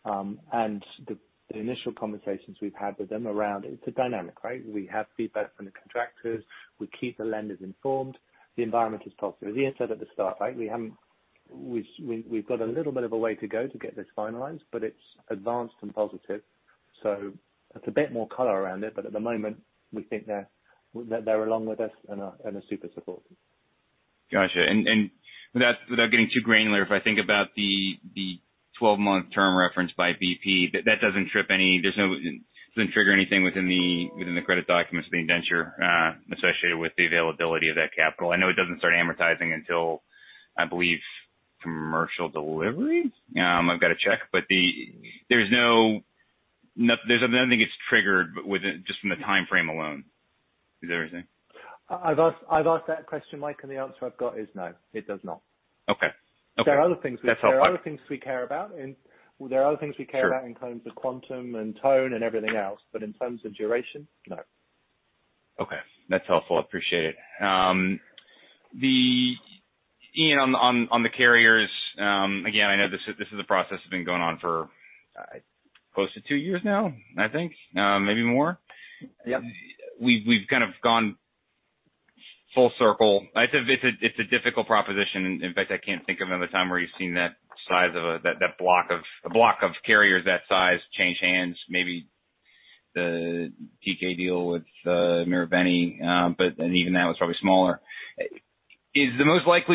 with this? The initial conversations we've had with them around it's a dynamic, right? We have feedback from the contractors. We keep the lenders informed. The environment is positive. As Iain said at the start, right, we've got a little bit of a way to go to get this finalized, but it's advanced and positive. That's a bit more color around it. At the moment, we think they're along with us and are super supportive. Got you. Without getting too granular, if I think about the 12-month term referenced by BP, that doesn't trigger anything within the credit documents of the indenture associated with the availability of that capital. I know it doesn't start amortizing until, I believe, commercial delivery. I've got to check. There's nothing that gets triggered, but within just from the timeframe alone. Is that what you're saying? I've asked that question, Mike, and the answer I've got is no, it does not. Okay. There are other things. That's helpful. There are other things we care about. in terms of quantum and tone and everything else. In terms of duration, no. Okay. That's helpful. I appreciate it. Iain, on the carriers, again, I know this is a process that's been going on for close to two years now, I think. Maybe more. We've kind of gone full circle. It's a difficult proposition. In fact, I can't think of another time where you've seen that size of a block of carriers that size change hands. Even that was probably smaller. Given what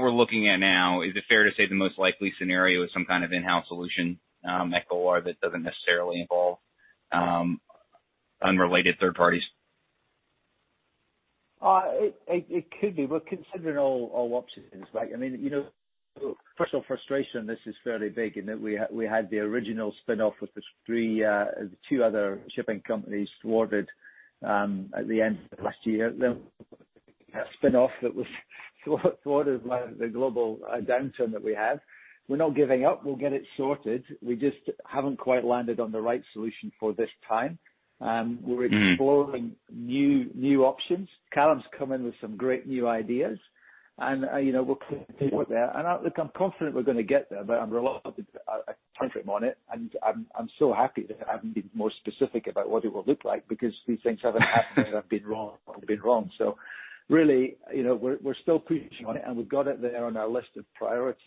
we're looking at now, is it fair to say the most likely scenario is some kind of in-house solution at Golar that doesn't necessarily involve unrelated third parties? It could be. We're considering all options, Mike. Personal frustration, this is fairly big in that we had the original spinoff with the two other shipping companies thwarted at the end of last year. We had a spinoff that was thwarted by the global downturn that we had. We're not giving up. We'll get it sorted. We just haven't quite landed on the right solution for this time. We're exploring new options. Callum's come in with some great new ideas. We're clear with that. Look, I'm confident we're going to get there, but I'm reluctant to put a timeframe on it, and I'm so happy that I haven't been more specific about what it will look like, because these things haven't happened, and I've been wrong. Really, we're still preaching on it, and we've got it there on our list of priorities.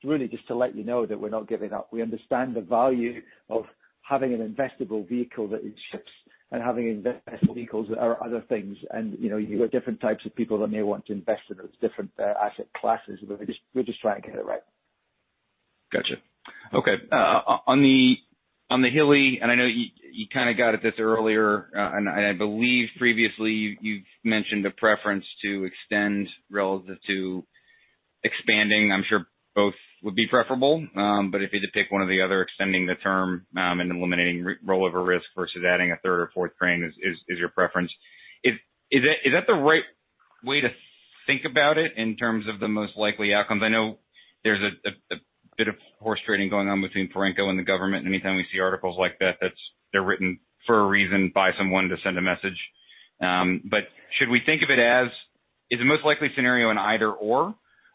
It's really just to let you know that we're not giving up. We understand the value of having an investable vehicle that is ships and having investable vehicles that are other things. You've got different types of people that may want to invest in those different asset classes, but we're just trying to get it right. Got you. Okay. On the Hilli, I know you kind of got at this earlier, and I believe previously you've mentioned a preference to extend relative to expanding. I'm sure both would be preferable. If you had to pick one or the other, extending the term and eliminating rollover risk versus adding a third or fourth train is your preference. Is that the right way to think about it in terms of the most likely outcomes? I know there's a bit of horse trading going on between Perenco and the government. Anytime we see articles like that, they're written for a reason by someone to send a message. Should we think of it as, is the most likely scenario an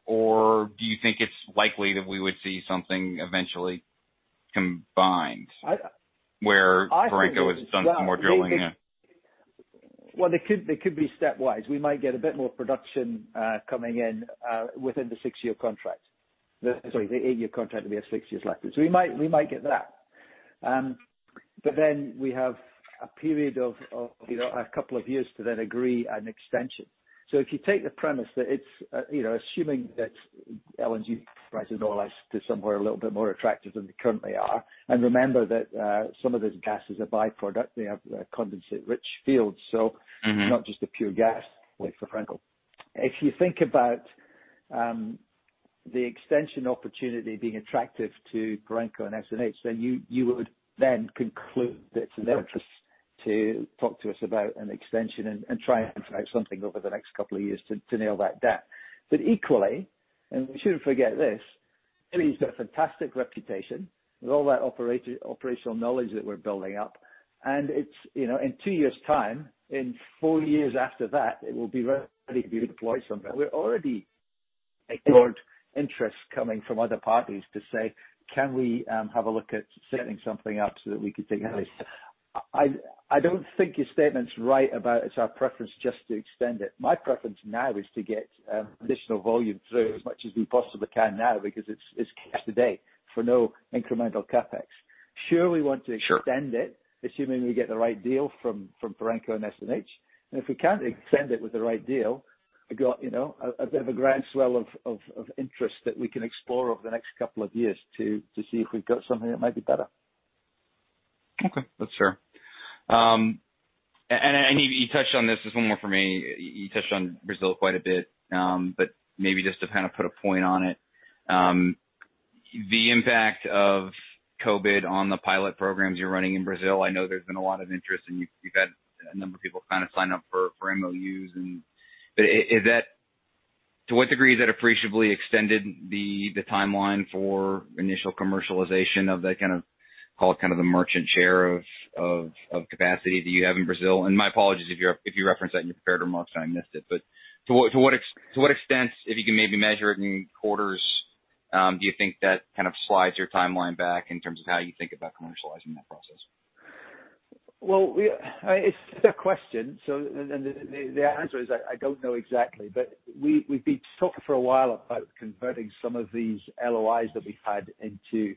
either/or do you think it's likely that we would see something eventually combined where Perenco has done some more drilling? Well, they could be stepwise. We might get a bit more production coming in within the six year contract. Sorry, the eight year contract, we have six years left. We might get that. Then we have a period of a couple of years to then agree an extension. If you take the premise that it's assuming that LNG prices normalize to somewhere a little bit more attractive than they currently are, and remember that some of this gas is a byproduct. They have condensate-rich fields. It's not just a pure gas wait for Perenco. If you think about the extension opportunity being attractive to Perenco and SNH, you would then conclude that it's in their interest to talk to us about an extension and try and figure out something over the next couple of years to nail that down. Equally, and we shouldn't forget this, Hilli's got a fantastic reputation with all that operational knowledge that we're building up, and in two years' time, in four years after that, it will be ready to be deployed somewhere. We already ignored interest coming from other parties to say, "Can we have a look at setting something up so that we could take Hilli?" I don't think your statement's right about it's our preference just to extend it. My preference now is to get additional volume through as much as we possibly can now, because it's cash today for no incremental CapEx. Sure, we want to extend it. assuming we get the right deal from Perenco and SNH. If we can't extend it with the right deal, I've got a bit of a groundswell of interest that we can explore over the next couple of years to see if we've got something that might be better. Okay. That's fair. You touched on this. There's one more from me. You touched on Brazil quite a bit, but maybe just to kind of put a point on it. The impact of COVID on the pilot programs you're running in Brazil, I know there's been a lot of interest, and you've had a number of people sign up for MOUs. To what degree has that appreciably extended the timeline for initial commercialization of the merchant share of capacity that you have in Brazil? My apologies if you referenced that in your prepared remarks and I missed it. To what extent, if you can maybe measure it in quarters, do you think that kind of slides your timeline back in terms of how you think about commercializing that process? Well, it's a good question. The answer is, I don't know exactly, but we've been talking for a while about converting some of these LOIs that we've had into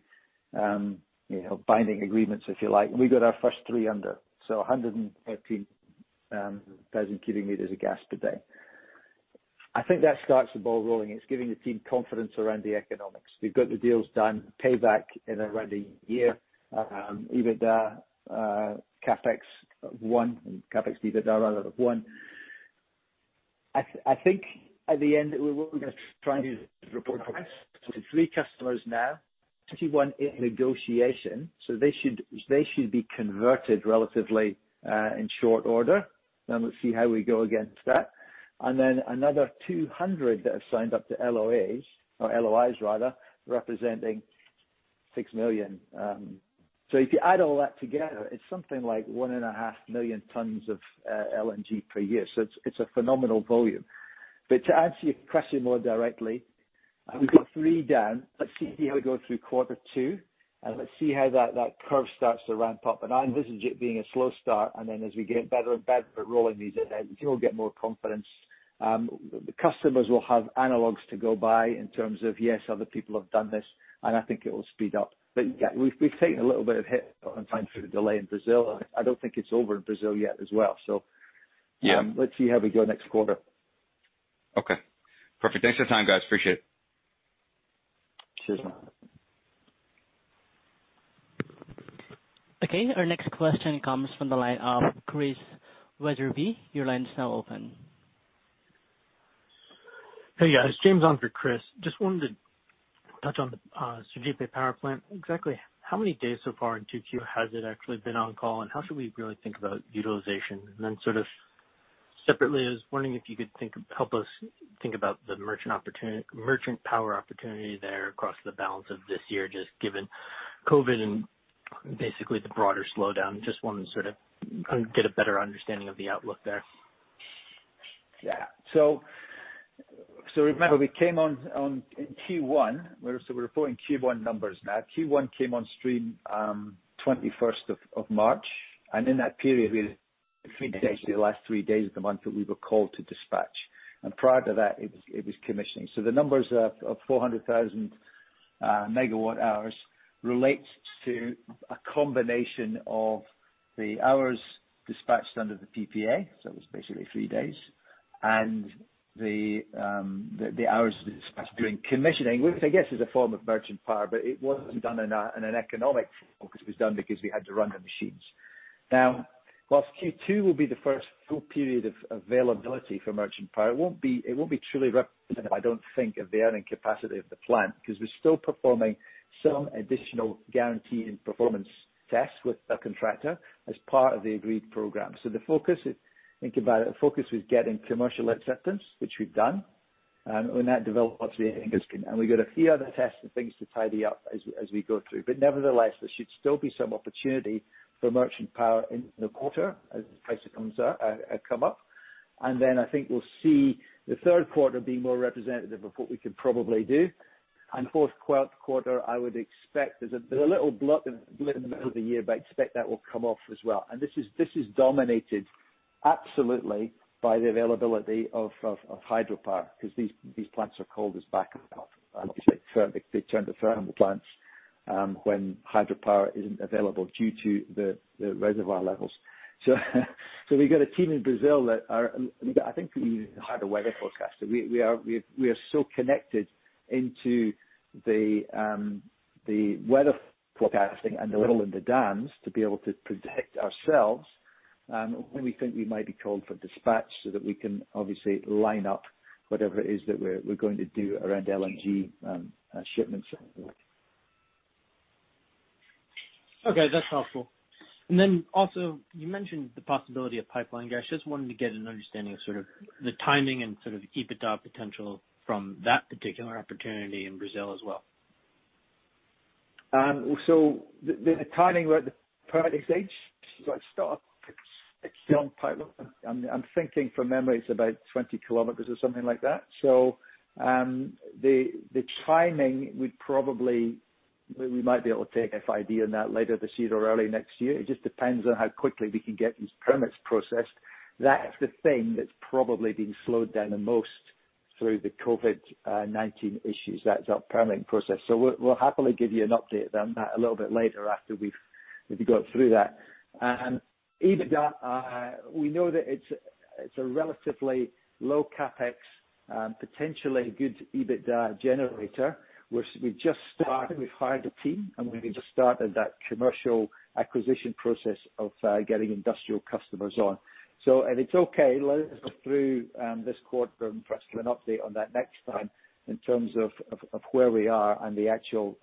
binding agreements, if you like. We got our first three under, 113,000 cubic meters of gas today. I think that starts the ball rolling. It's giving the team confidence around the economics. We've got the deals done, payback in around a year. EBITDA, CapEx of one, CapEx EBITDA rather of one. I think at the end, what we're going to try and do is report back to three customers now, 51 in negotiation. They should be converted relatively in short order. We'll see how we go against that. Another 200 that have signed up to LOAs, or LOIs rather, representing 6 million. If you add all that together, it's something like one and a 500,000 tons of LNG per year. It's a phenomenal volume. To answer your question more directly, we've got three down. Let's see how we go through quarter two, and let's see how that curve starts to ramp up. I envisage it being a slow start, and then as we get better and better at rolling these out, people will get more confidence. The customers will have analogs to go by in terms of, yes, other people have done this, and I think it will speed up. Yeah, we've taken a little bit of hit on time through the delay in Brazil. I don't think it's over in Brazil yet as well. Yeah. Let's see how we go next quarter. Okay. Perfect. Thanks for your time, guys. Appreciate it. Cheers. Okay. Our next question comes from the line of Chris Weatherby. Your line is now open. Hey, guys. James on for Chris. Just wanted to touch on the Sergipe Power Plant. Exactly how many days so far in 2Q has it actually been on call, and how should we really think about utilization? Then sort of separately, I was wondering if you could help us think about the merchant power opportunity there across the balance of this year, just given COVID and basically the broader slowdown. Just wanted to sort of get a better understanding of the outlook there. Yeah. Remember, we came on in Q1. We're reporting Q1 numbers now. Q1 came on stream 21st of March, in that period, we had three days, the last three days of the month that we were called to dispatch. Prior to that, it was commissioning. The numbers of 400,000 MW hours relates to a combination of the hours dispatched under the PPA. It was basically three days, and the hours dispatched during commissioning, which I guess is a form of merchant power, but it wasn't done in an economic focus. It was done because we had to run the machines. Whilst Q2 will be the first full period of availability for merchant power, it won't be truly representative, I don't think, of the earning capacity of the plant, because we're still performing some additional guaranteed and performance tests with our contractor as part of the agreed program. Think about it, the focus was getting commercial acceptance, which we've done, and when that develops, we think it's good. We've got a few other tests and things to tidy up as we go through. Nevertheless, there should still be some opportunity for merchant power in the quarter as the prices come up. Then I think we'll see the third quarter being more representative of what we can probably do. Fourth quarter, I would expect there's a little blip in the middle of the year, but I expect that will come off as well. This is dominated absolutely by the availability of hydropower, because these plants are called as backup. Obviously, they turn to thermal plants when hydropower isn't available due to the reservoir levels. We've got a team in Brazil that are I think we hired a weather forecaster. We are so connected into the weather forecasting and the level in the dams to be able to protect ourselves, when we think we might be called for dispatch so that we can obviously line up whatever it is that we're going to do around LNG shipments. Okay, that's helpful. You mentioned the possibility of pipeline gas. Just wanted to get an understanding of sort of the timing and sort of the EBITDA potential from that particular opportunity in Brazil as well. The timing, we're at the permitting stage. It's still in pilot. I'm thinking from memory, it's about 20 km or something like that. The timing, we might be able to take FID on that later this year or early next year. It just depends on how quickly we can get these permits processed. That's the thing that's probably been slowed down the most through the COVID-19 issues. That's our permitting process. We'll happily give you an update on that a little bit later after we've got through that. EBITDA, we know that it's a relatively low CapEx, potentially good EBITDA generator. We've just started. We've hired a team, and we just started that commercial acquisition process of getting industrial customers on. It's okay. Let us go through this quarter and for us to give an update on that next time in terms of where we are and the actual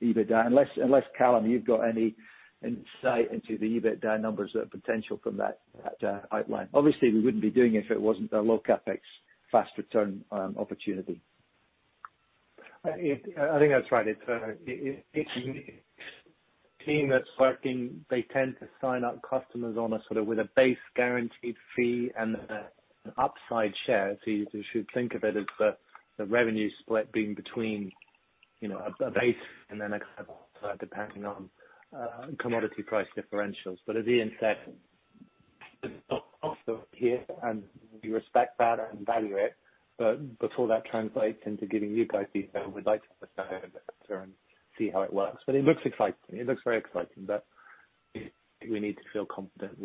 EBITDA. Unless, Callum, you've got any insight into the EBITDA numbers, the potential from that outline. Obviously, we wouldn't be doing it if it wasn't a low CapEx, fast return opportunity. I think that's right. It's a team that's working. They tend to sign up customers on a sort of with a base guaranteed fee and an upside share. You should think of it as the revenue split being between a base and then a kind of upside depending on commodity price differentials. As Iain said, there's a lot of cost here and we respect that and value it. Before that translates into giving you guys detail, we'd like to understand better and see how it works. It looks exciting. It looks very exciting, but we need to feel confident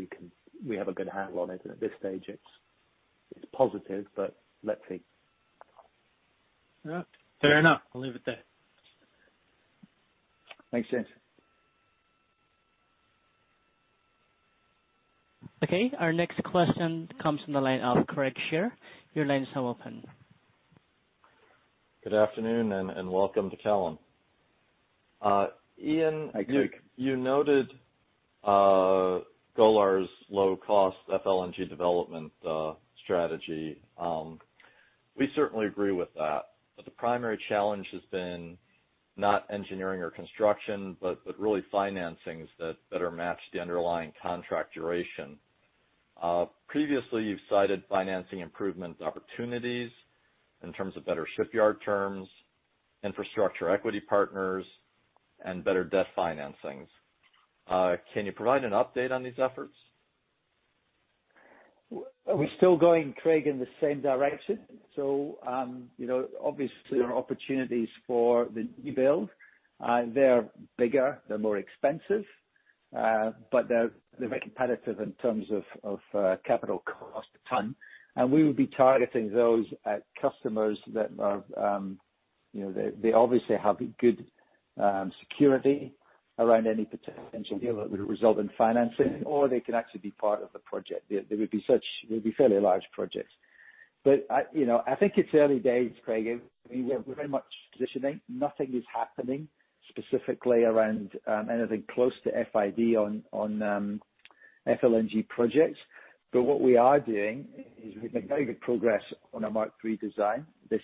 we have a good handle on it. At this stage it's positive, but let's see. Yeah. Fair enough. I'll leave it there. Makes sense. Okay. Our next question comes from the line of Craig Shere. Your line is now open. Good afternoon, and welcome to Callum. Hi, Craig. Iain, you noted Golar's low-cost FLNG development strategy. We certainly agree with that, the primary challenge has been not engineering or construction, but really financings that better match the underlying contract duration. Previously, you've cited financing improvement opportunities in terms of better shipyard terms, infrastructure equity partners, and better debt financings. Can you provide an update on these efforts? We're still going, Craig, in the same direction. Obviously, there are opportunities for the new build. They're bigger, they're more expensive, but they're very competitive in terms of capital cost a ton. We would be targeting those at customers that obviously have good security around any potential deal that would result in financing, or they can actually be part of the project. They would be fairly large projects. I think it's early days, Craig. We're very much positioning. Nothing is happening specifically around anything close to FID on FLNG projects. What we are doing is we've made very good progress on our Mark III design. This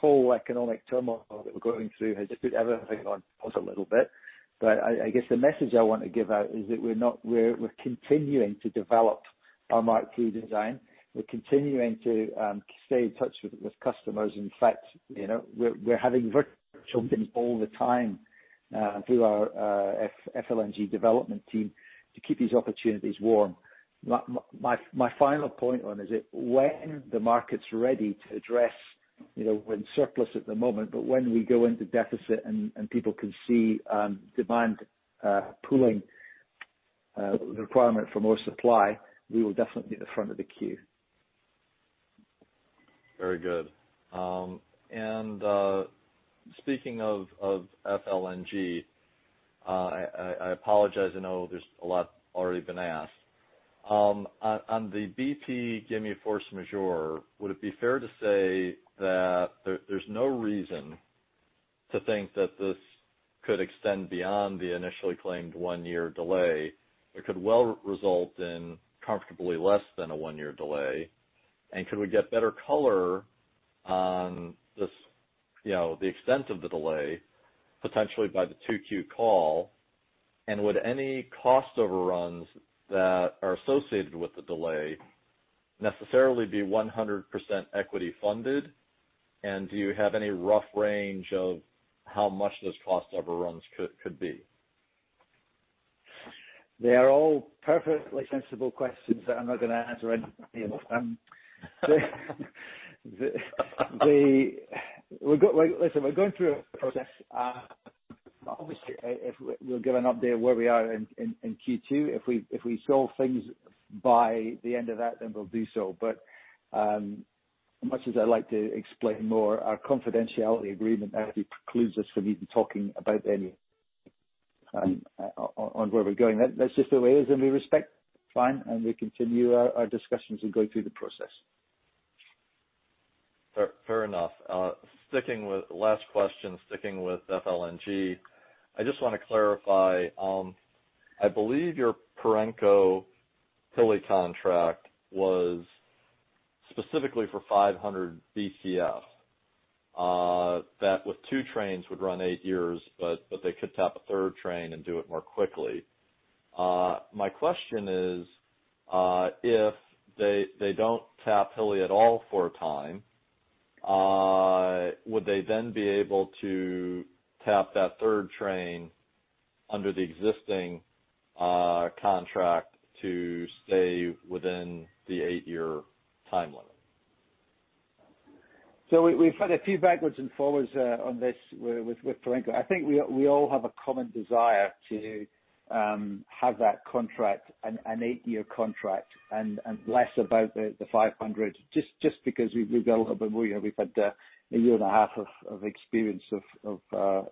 whole economic turmoil that we're going through has put everything on pause a little bit. I guess the message I want to give out is that we're continuing to develop our Mark III design. We're continuing to stay in touch with customers. In fact, we're having virtual meetings all the time through our FLNG development team to keep these opportunities warm. My final point on is that when the market's ready to address, we're in surplus at the moment, but when we go into deficit and people can see demand pooling requirement for more supply, we will definitely be at the front of the queue. Very good. Speaking of FLNG, I apologize, I know there's a lot already been asked. On the BP Gimi force majeure, would it be fair to say that there's no reason to think that this could extend beyond the initially claimed one-year delay? It could well result in comfortably less than a one-year delay? Could we get better color on the extent of the delay, potentially by the 2Q call? Would any cost overruns that are associated with the delay necessarily be 100% equity funded? Do you have any rough range of how much those cost overruns could be? They are all perfectly sensible questions that I'm not going to answer any of them. Listen, we're going through a process. Obviously, if we'll give an update where we are in Q2, if we solve things by the end of that, then we'll do so. As much as I like to explain more, our confidentiality agreement actually precludes us from even talking about any on where we're going. That's just the way it is, and we respect it fine, and we continue our discussions and go through the process. Fair enough. Last question, sticking with FLNG. I just want to clarify. I believe your Perenco Hilli contract was specifically for 500 Bcf. That with two trains would run eight years, but they could tap a third train and do it more quickly. My question is, if they don't tap Hilli at all for a time, would they then be able to tap that third train under the existing contract to stay within the eight-year time limit? We've had a few backwards and forwards on this with Perenco. I think we all have a common desire to have that contract an eight-year contract and less about the 500, just because we've got a little bit more. We've had a year and a half of experience, which people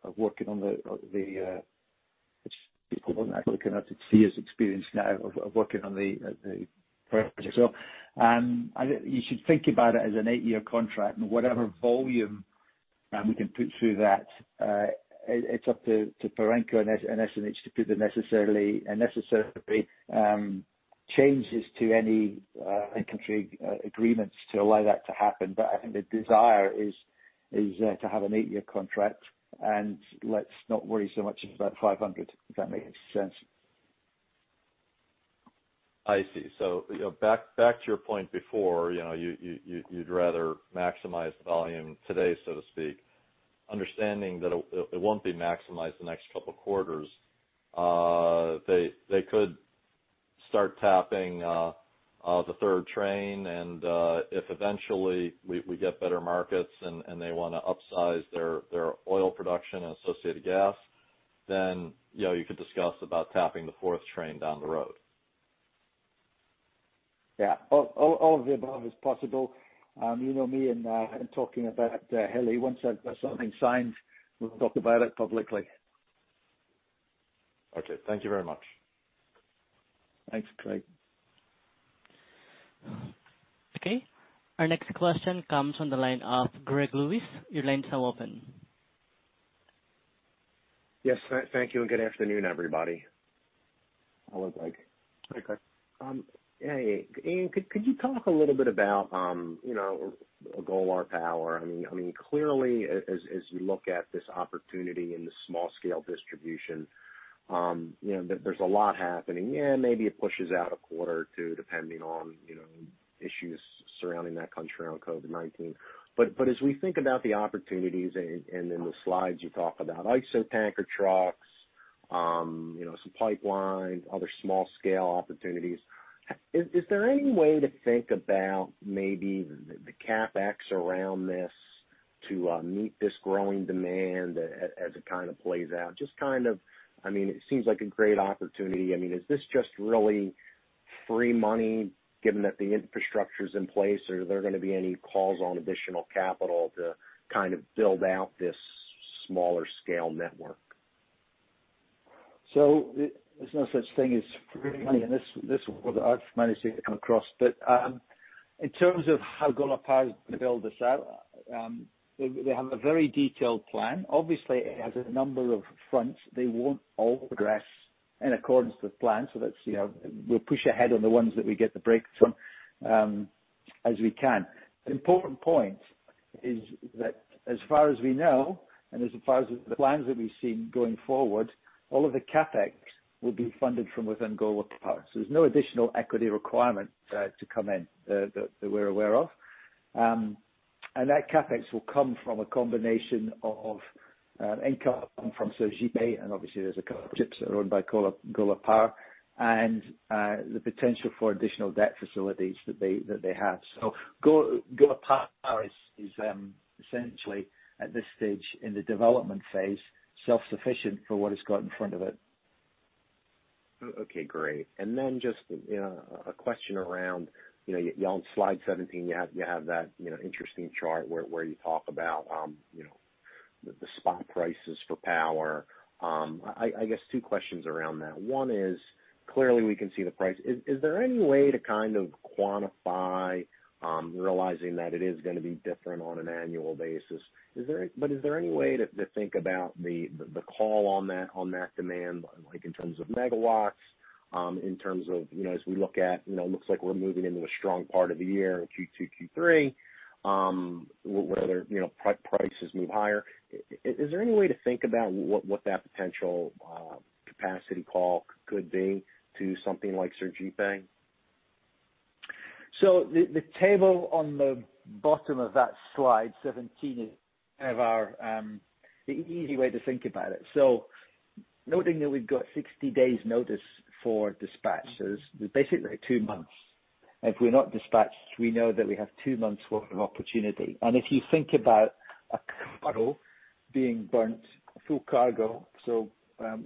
aren't actually going to see as experience now, of working on the project itself. You should think about it as an eight-year contract and whatever volume we can put through that it's up to Perenco and SNH to put the necessary changes to any country agreements to allow that to happen. I think the desire is to have an eight-year contract, and let's not worry so much about 500, if that makes sense. I see. Back to your point before, you'd rather maximize volume today, so to speak, understanding that it won't be maximized the next couple of quarters. They could start tapping the third train, if eventually we get better markets and they want to upsize their oil production and associated gas, then you could discuss about tapping the fourth train down the road. Yeah. All of the above is possible. You know me and talking about Hilli. Once something's signed, we'll talk about it publicly. Okay. Thank you very much. Thanks, Craig. Okay. Our next question comes on the line of Greg Lewis. Your lines are open. Yes. Thank you, and good afternoon, everybody. Hello, Greg. Hey. Iain, could you talk a little bit about Golar Power? Clearly, as you look at this opportunity in the small-scale distribution, there's a lot happening. Maybe it pushes out a quarter or two, depending on issues surrounding that country around COVID-19. As we think about the opportunities and then the slides you talk about, ISO tanker trucks, some pipelines, other small-scale opportunities, is there any way to think about maybe the CapEx around this to meet this growing demand as it plays out? It seems like a great opportunity. Is this just really free money given that the infrastructure's in place, or are there going to be any calls on additional capital to build out this smaller scale network? There's no such thing as free money in this world. I've managed to come across. In terms of how Golar Power is going to build this out, they have a very detailed plan. Obviously, it has a number of fronts. They won't all progress in accordance with plans. We'll push ahead on the ones that we get the breakthroughs on as we can. The important point is that as far as we know, and as far as the plans that we've seen going forward, all of the CapEx will be funded from within Golar Power. There's no additional equity requirement to come in that we're aware of. That CapEx will come from a combination of income from Sergipe, and obviously, there's a couple of ships that are owned by Golar Power, and the potential for additional debt facilities that they have. Golar Power is essentially, at this stage in the development phase, self-sufficient for what it's got in front of it. Okay, great. Just a question around on slide 17, you have that interesting chart where you talk about the spot prices for power. I guess two questions around that. One is, clearly, we can see the price. Is there any way to quantify, realizing that it is going to be different on an annual basis? Is there any way to think about the call on that demand in terms of megawatts? In terms of, as we look at, it looks like we're moving into a strong part of the year in Q2, Q3, where their prices move higher. Is there any way to think about what that potential capacity call could be to something like Sergipe? The table on the bottom of that slide 17 is our easy way to think about it. Noting that we've got 60 days notice for dispatches, basically two months. If we're not dispatched, we know that we have two months worth of opportunity. If you think about a cargo being burnt, full cargo, 160,000,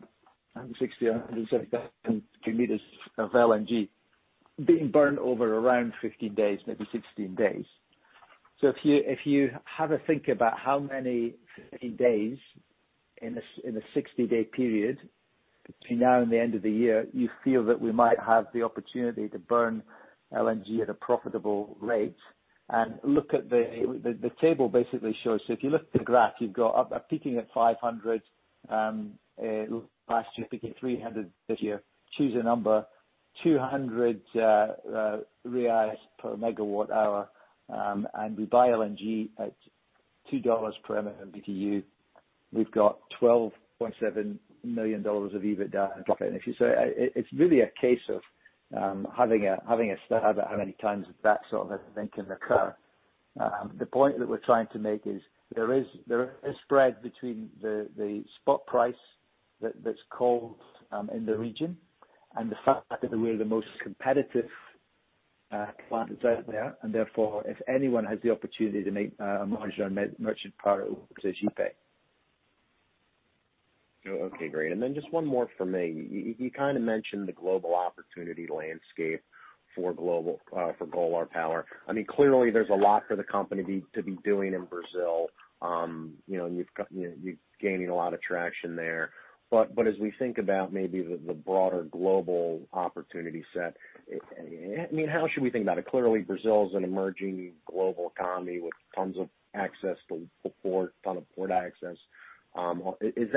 170,000 cubic meters of LNG being burnt over around 15 days, maybe 16 days. If you have a think about how many, 15 days in a 60-day period between now and the end of the year, you feel that we might have the opportunity to burn LNG at a profitable rate. The table basically shows, if you look at the graph, you've got peaking at 500 last year, peaking 300 this year. Choose a number, 200 reais per MWh, we buy LNG at $2 per MMBtu. We've got $12.7 million of EBITDA in profit. If you say, it's really a case of having a stab at how many times that sort of event can occur. The point that we're trying to make is there is a spread between the spot price that's called in the region and the fact that we're the most competitive plant that's out there, and therefore, if anyone has the opportunity to make a margin on merchant power, it's at Sergipe. Okay, great. Just one more from me. You mentioned the global opportunity landscape for Golar Power. Clearly, there's a lot for the company to be doing in Brazil. You are gaining a lot of traction there. As we think about maybe the broader global opportunity set, how should we think about it? Clearly, Brazil is an emerging global economy with tons of port access. Is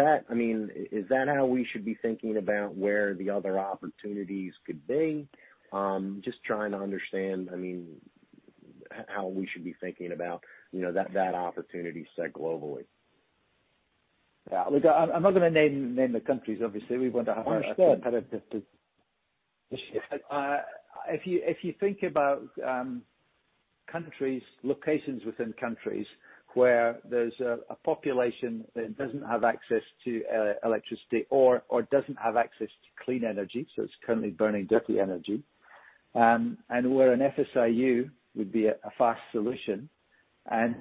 that how we should be thinking about where the other opportunities could be? Just trying to understand how we should be thinking about that opportunity set globally. Yeah. Look, I'm not going to name the countries, obviously. We want to have a competitive- Understood issue. If you think about countries, locations within countries where there's a population that doesn't have access to electricity or doesn't have access to clean energy, so it's currently burning dirty energy, and where an FSRU would be a fast solution.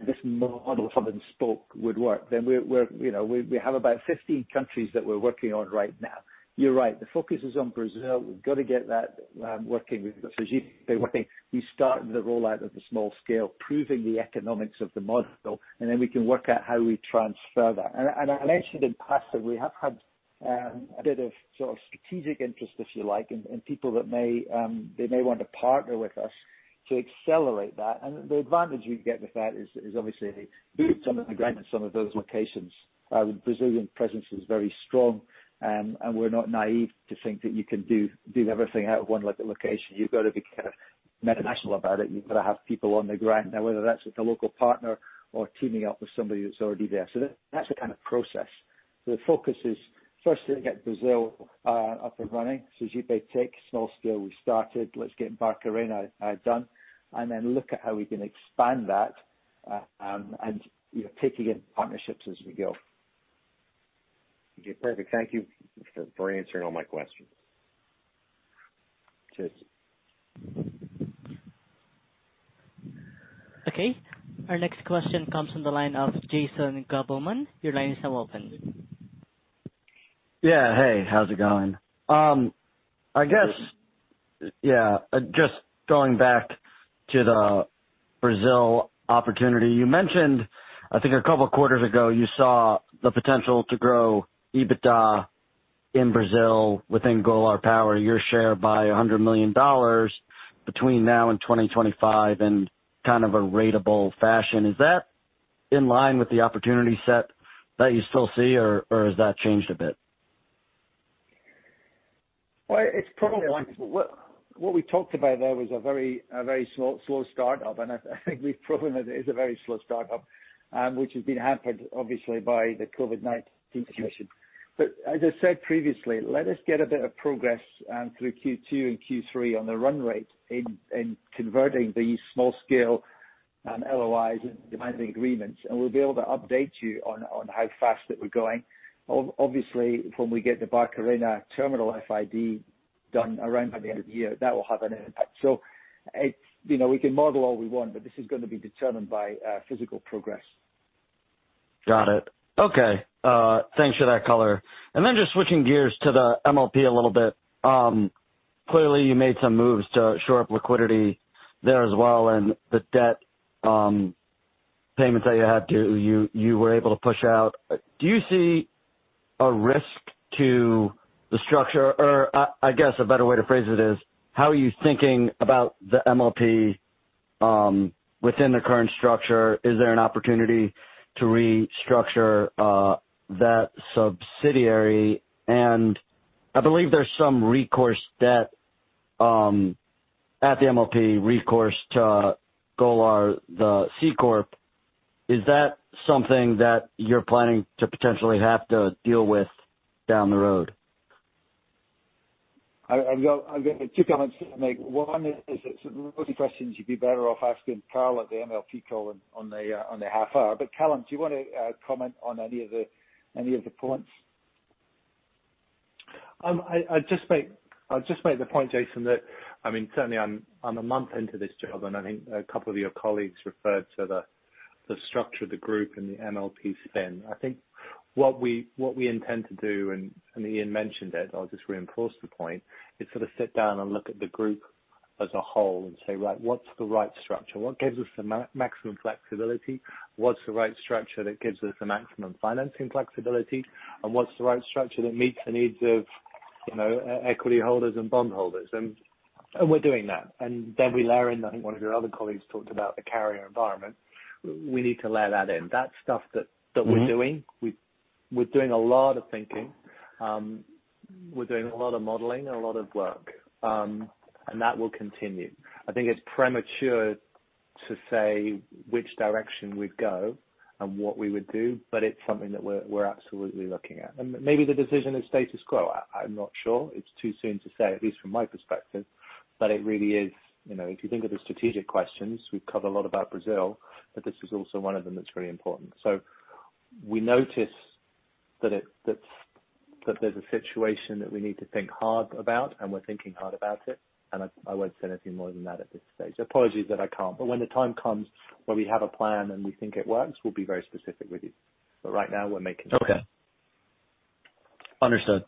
This model hub and spoke would work. We have about 15 countries that we're working on right now. You're right, the focus is on Brazil. We've got to get that working with Sergipe working. We start the rollout of the small scale, proving the economics of the model, and then we can work out how we transfer that. I mentioned in the past that we have had a bit of strategic interest, if you like, and people that may want to partner with us to accelerate that. The advantage we get with that is obviously some of the grants in some of those locations. Our Brazilian presence is very strong, and we're not naive to think that you can do everything out of one location. You've got to be kind of multinational about it. You've got to have people on the ground, now, whether that's with a local partner or teaming up with somebody that's already there. That's the kind of process. The focus is first to get Brazil up and running. Sergipe, small scale, we started. Let's get Barcarena done, and then look at how we can expand that, and taking in partnerships as we go. Okay, perfect. Thank you for answering all my questions. Cheers. Our next question comes from the line of Jason Gabelman. Your lines are open. Yeah. Hey, how's it going? I guess, yeah, just going back to the Brazil opportunity. You mentioned, I think a couple of quarters ago, you saw the potential to grow EBITDA in Brazil within Golar Power, your share by $100 million between now and 2025 in kind of a ratable fashion. Is that in line with the opportunity set that you still see, or has that changed a bit? Well, it's probably what we talked about, though, was a very slow start-up, and I think we've proven that it is a very slow start-up, which has been hampered, obviously, by the COVID-19 situation. As I said previously, let us get a bit of progress through Q2 and Q3 on the run rate in converting these small scale LOIs into binding agreements, and we'll be able to update you on how fast that we're going. Obviously, when we get the Barcarena terminal FID done around by the end of the year, that will have an impact. We can model all we want, but this is going to be determined by physical progress. Got it. Okay. Thanks for that color. Then just switching gears to the MLP a little bit. Clearly, you made some moves to shore up liquidity there as well and the debt payments that you had to, you were able to push out. Do you see a risk to the structure or, I guess, a better way to phrase it is, how are you thinking about the MLP within the current structure? Is there an opportunity to restructure that subsidiary? I believe there's some recourse debt at the MLP recourse to Golar, the C-corp. Is that something that you're planning to potentially have to deal with down the road? I've got two comments to make. One is that those questions you'd be better off asking Karl at the MLP call on the half hour. Callum, do you want to comment on any of the points? I'll just make the point, Jason, that certainly I'm a month into this job, I think a couple of your colleagues referred to the structure of the group and the MLP spin. I think what we intend to do, Iain mentioned it, I'll just reinforce the point, is sort of sit down and look at the group as a whole and say, right, what's the right structure? What gives us the maximum flexibility? What's the right structure that gives us the maximum financing flexibility, what's the right structure that meets the needs of equity holders and bond holders? We're doing that. Then we layer in, I think one of your other colleagues talked about the carrier environment. We need to layer that in. That's stuff that we're doing. We're doing a lot of thinking. We're doing a lot of modeling and a lot of work. That will continue. I think it's premature to say which direction we'd go and what we would do. It's something that we're absolutely looking at. Maybe the decision is status quo. I'm not sure. It's too soon to say, at least from my perspective. It really is, if you think of the strategic questions, we've covered a lot about Brazil. This is also one of them that's very important. We notice that there's a situation that we need to think hard about. We're thinking hard about it. I won't say anything more than that at this stage. Apologies that I can't. When the time comes where we have a plan and we think it works, we'll be very specific with you. Right now, we're making sure. Okay. Understood.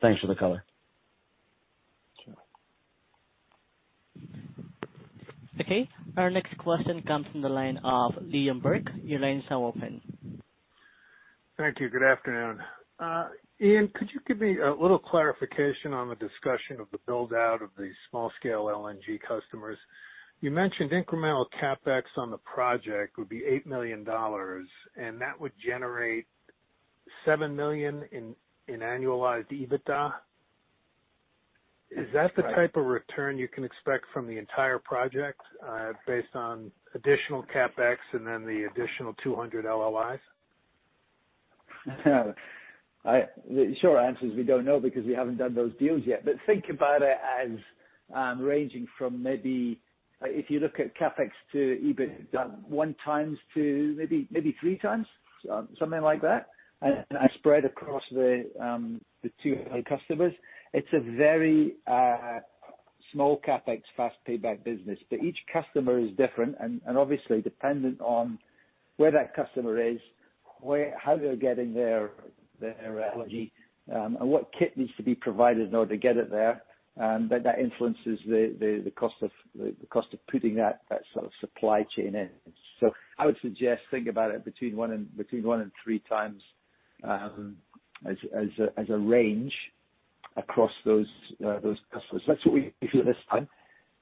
Thanks for the color. Okay. Our next question comes from the line of Liam Burke. Your lines are open. Thank you. Good afternoon. Iain, could you give me a little clarification on the discussion of the build-out of the small scale LNG customers? You mentioned incremental CapEx on the project would be $8 million, that would generate $7 million in annualized EBITDA. That's right. Is that the type of return you can expect from the entire project based on additional CapEx and then the additional 200 LOIs? The short answer is we don't know because we haven't done those deals yet. Think about it as ranging from maybe, if you look at CapEx to EBITDA one times to maybe three times, something like that, and spread across the 200 customers. It's a very-small CapEx, fast payback business. Each customer is different and obviously dependent on where that customer is, how they're getting their LNG, and what kit needs to be provided in order to get it there. That influences the cost of putting that sort of supply chain in. I would suggest think about it between one and three times as a range across those customers. That's what we do this time.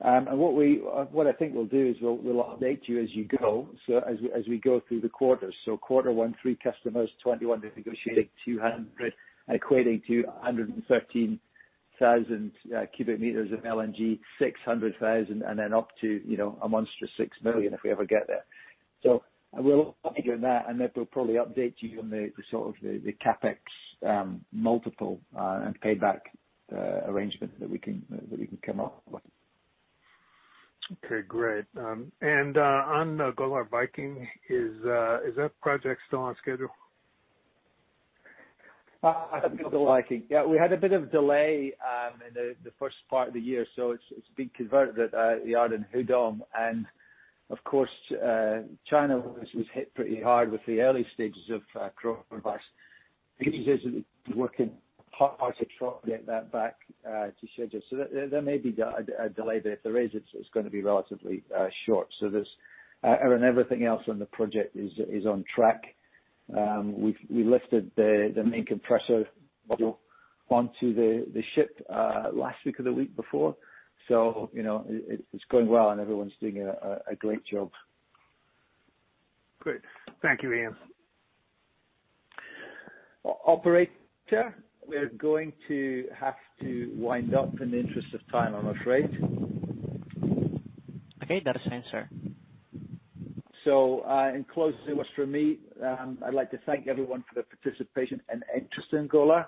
What I think we'll do is we'll update you as you go, so as we go through the quarters. Quarter one, three customers, 21-day negotiating, 200 equating to 113,000 cubic meters of LNG, 600,000, and then up to a monstrous 6 million if we ever get there. We'll update you on that, and then we'll probably update you on the CapEx multiple and payback arrangement that we can come up with. Okay, great. On Golar Viking, is that project still on schedule? Golar Viking. Yeah, we had a bit of delay in the first part of the year. It's being converted at the yard in Hudong. Of course, China was hit pretty hard with the early stages of coronavirus. Management is working hard to try to get that back to schedule. There may be a delay there. If there is, it's going to be relatively short. Everything else on the project is on track. We lifted the main compressor module onto the ship last week or the week before. It's going well, and everyone's doing a great job. Great. Thank you, Iain. Operator, we're going to have to wind up in the interest of time, I'm afraid. Okay. That is fine, sir. In closing remarks from me, I'd like to thank everyone for their participation and interest in Golar.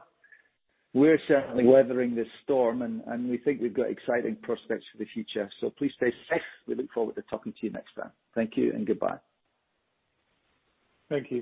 We're certainly weathering this storm, and we think we've got exciting prospects for the future. Please stay safe. We look forward to talking to you next time. Thank you and goodbye. Thank you.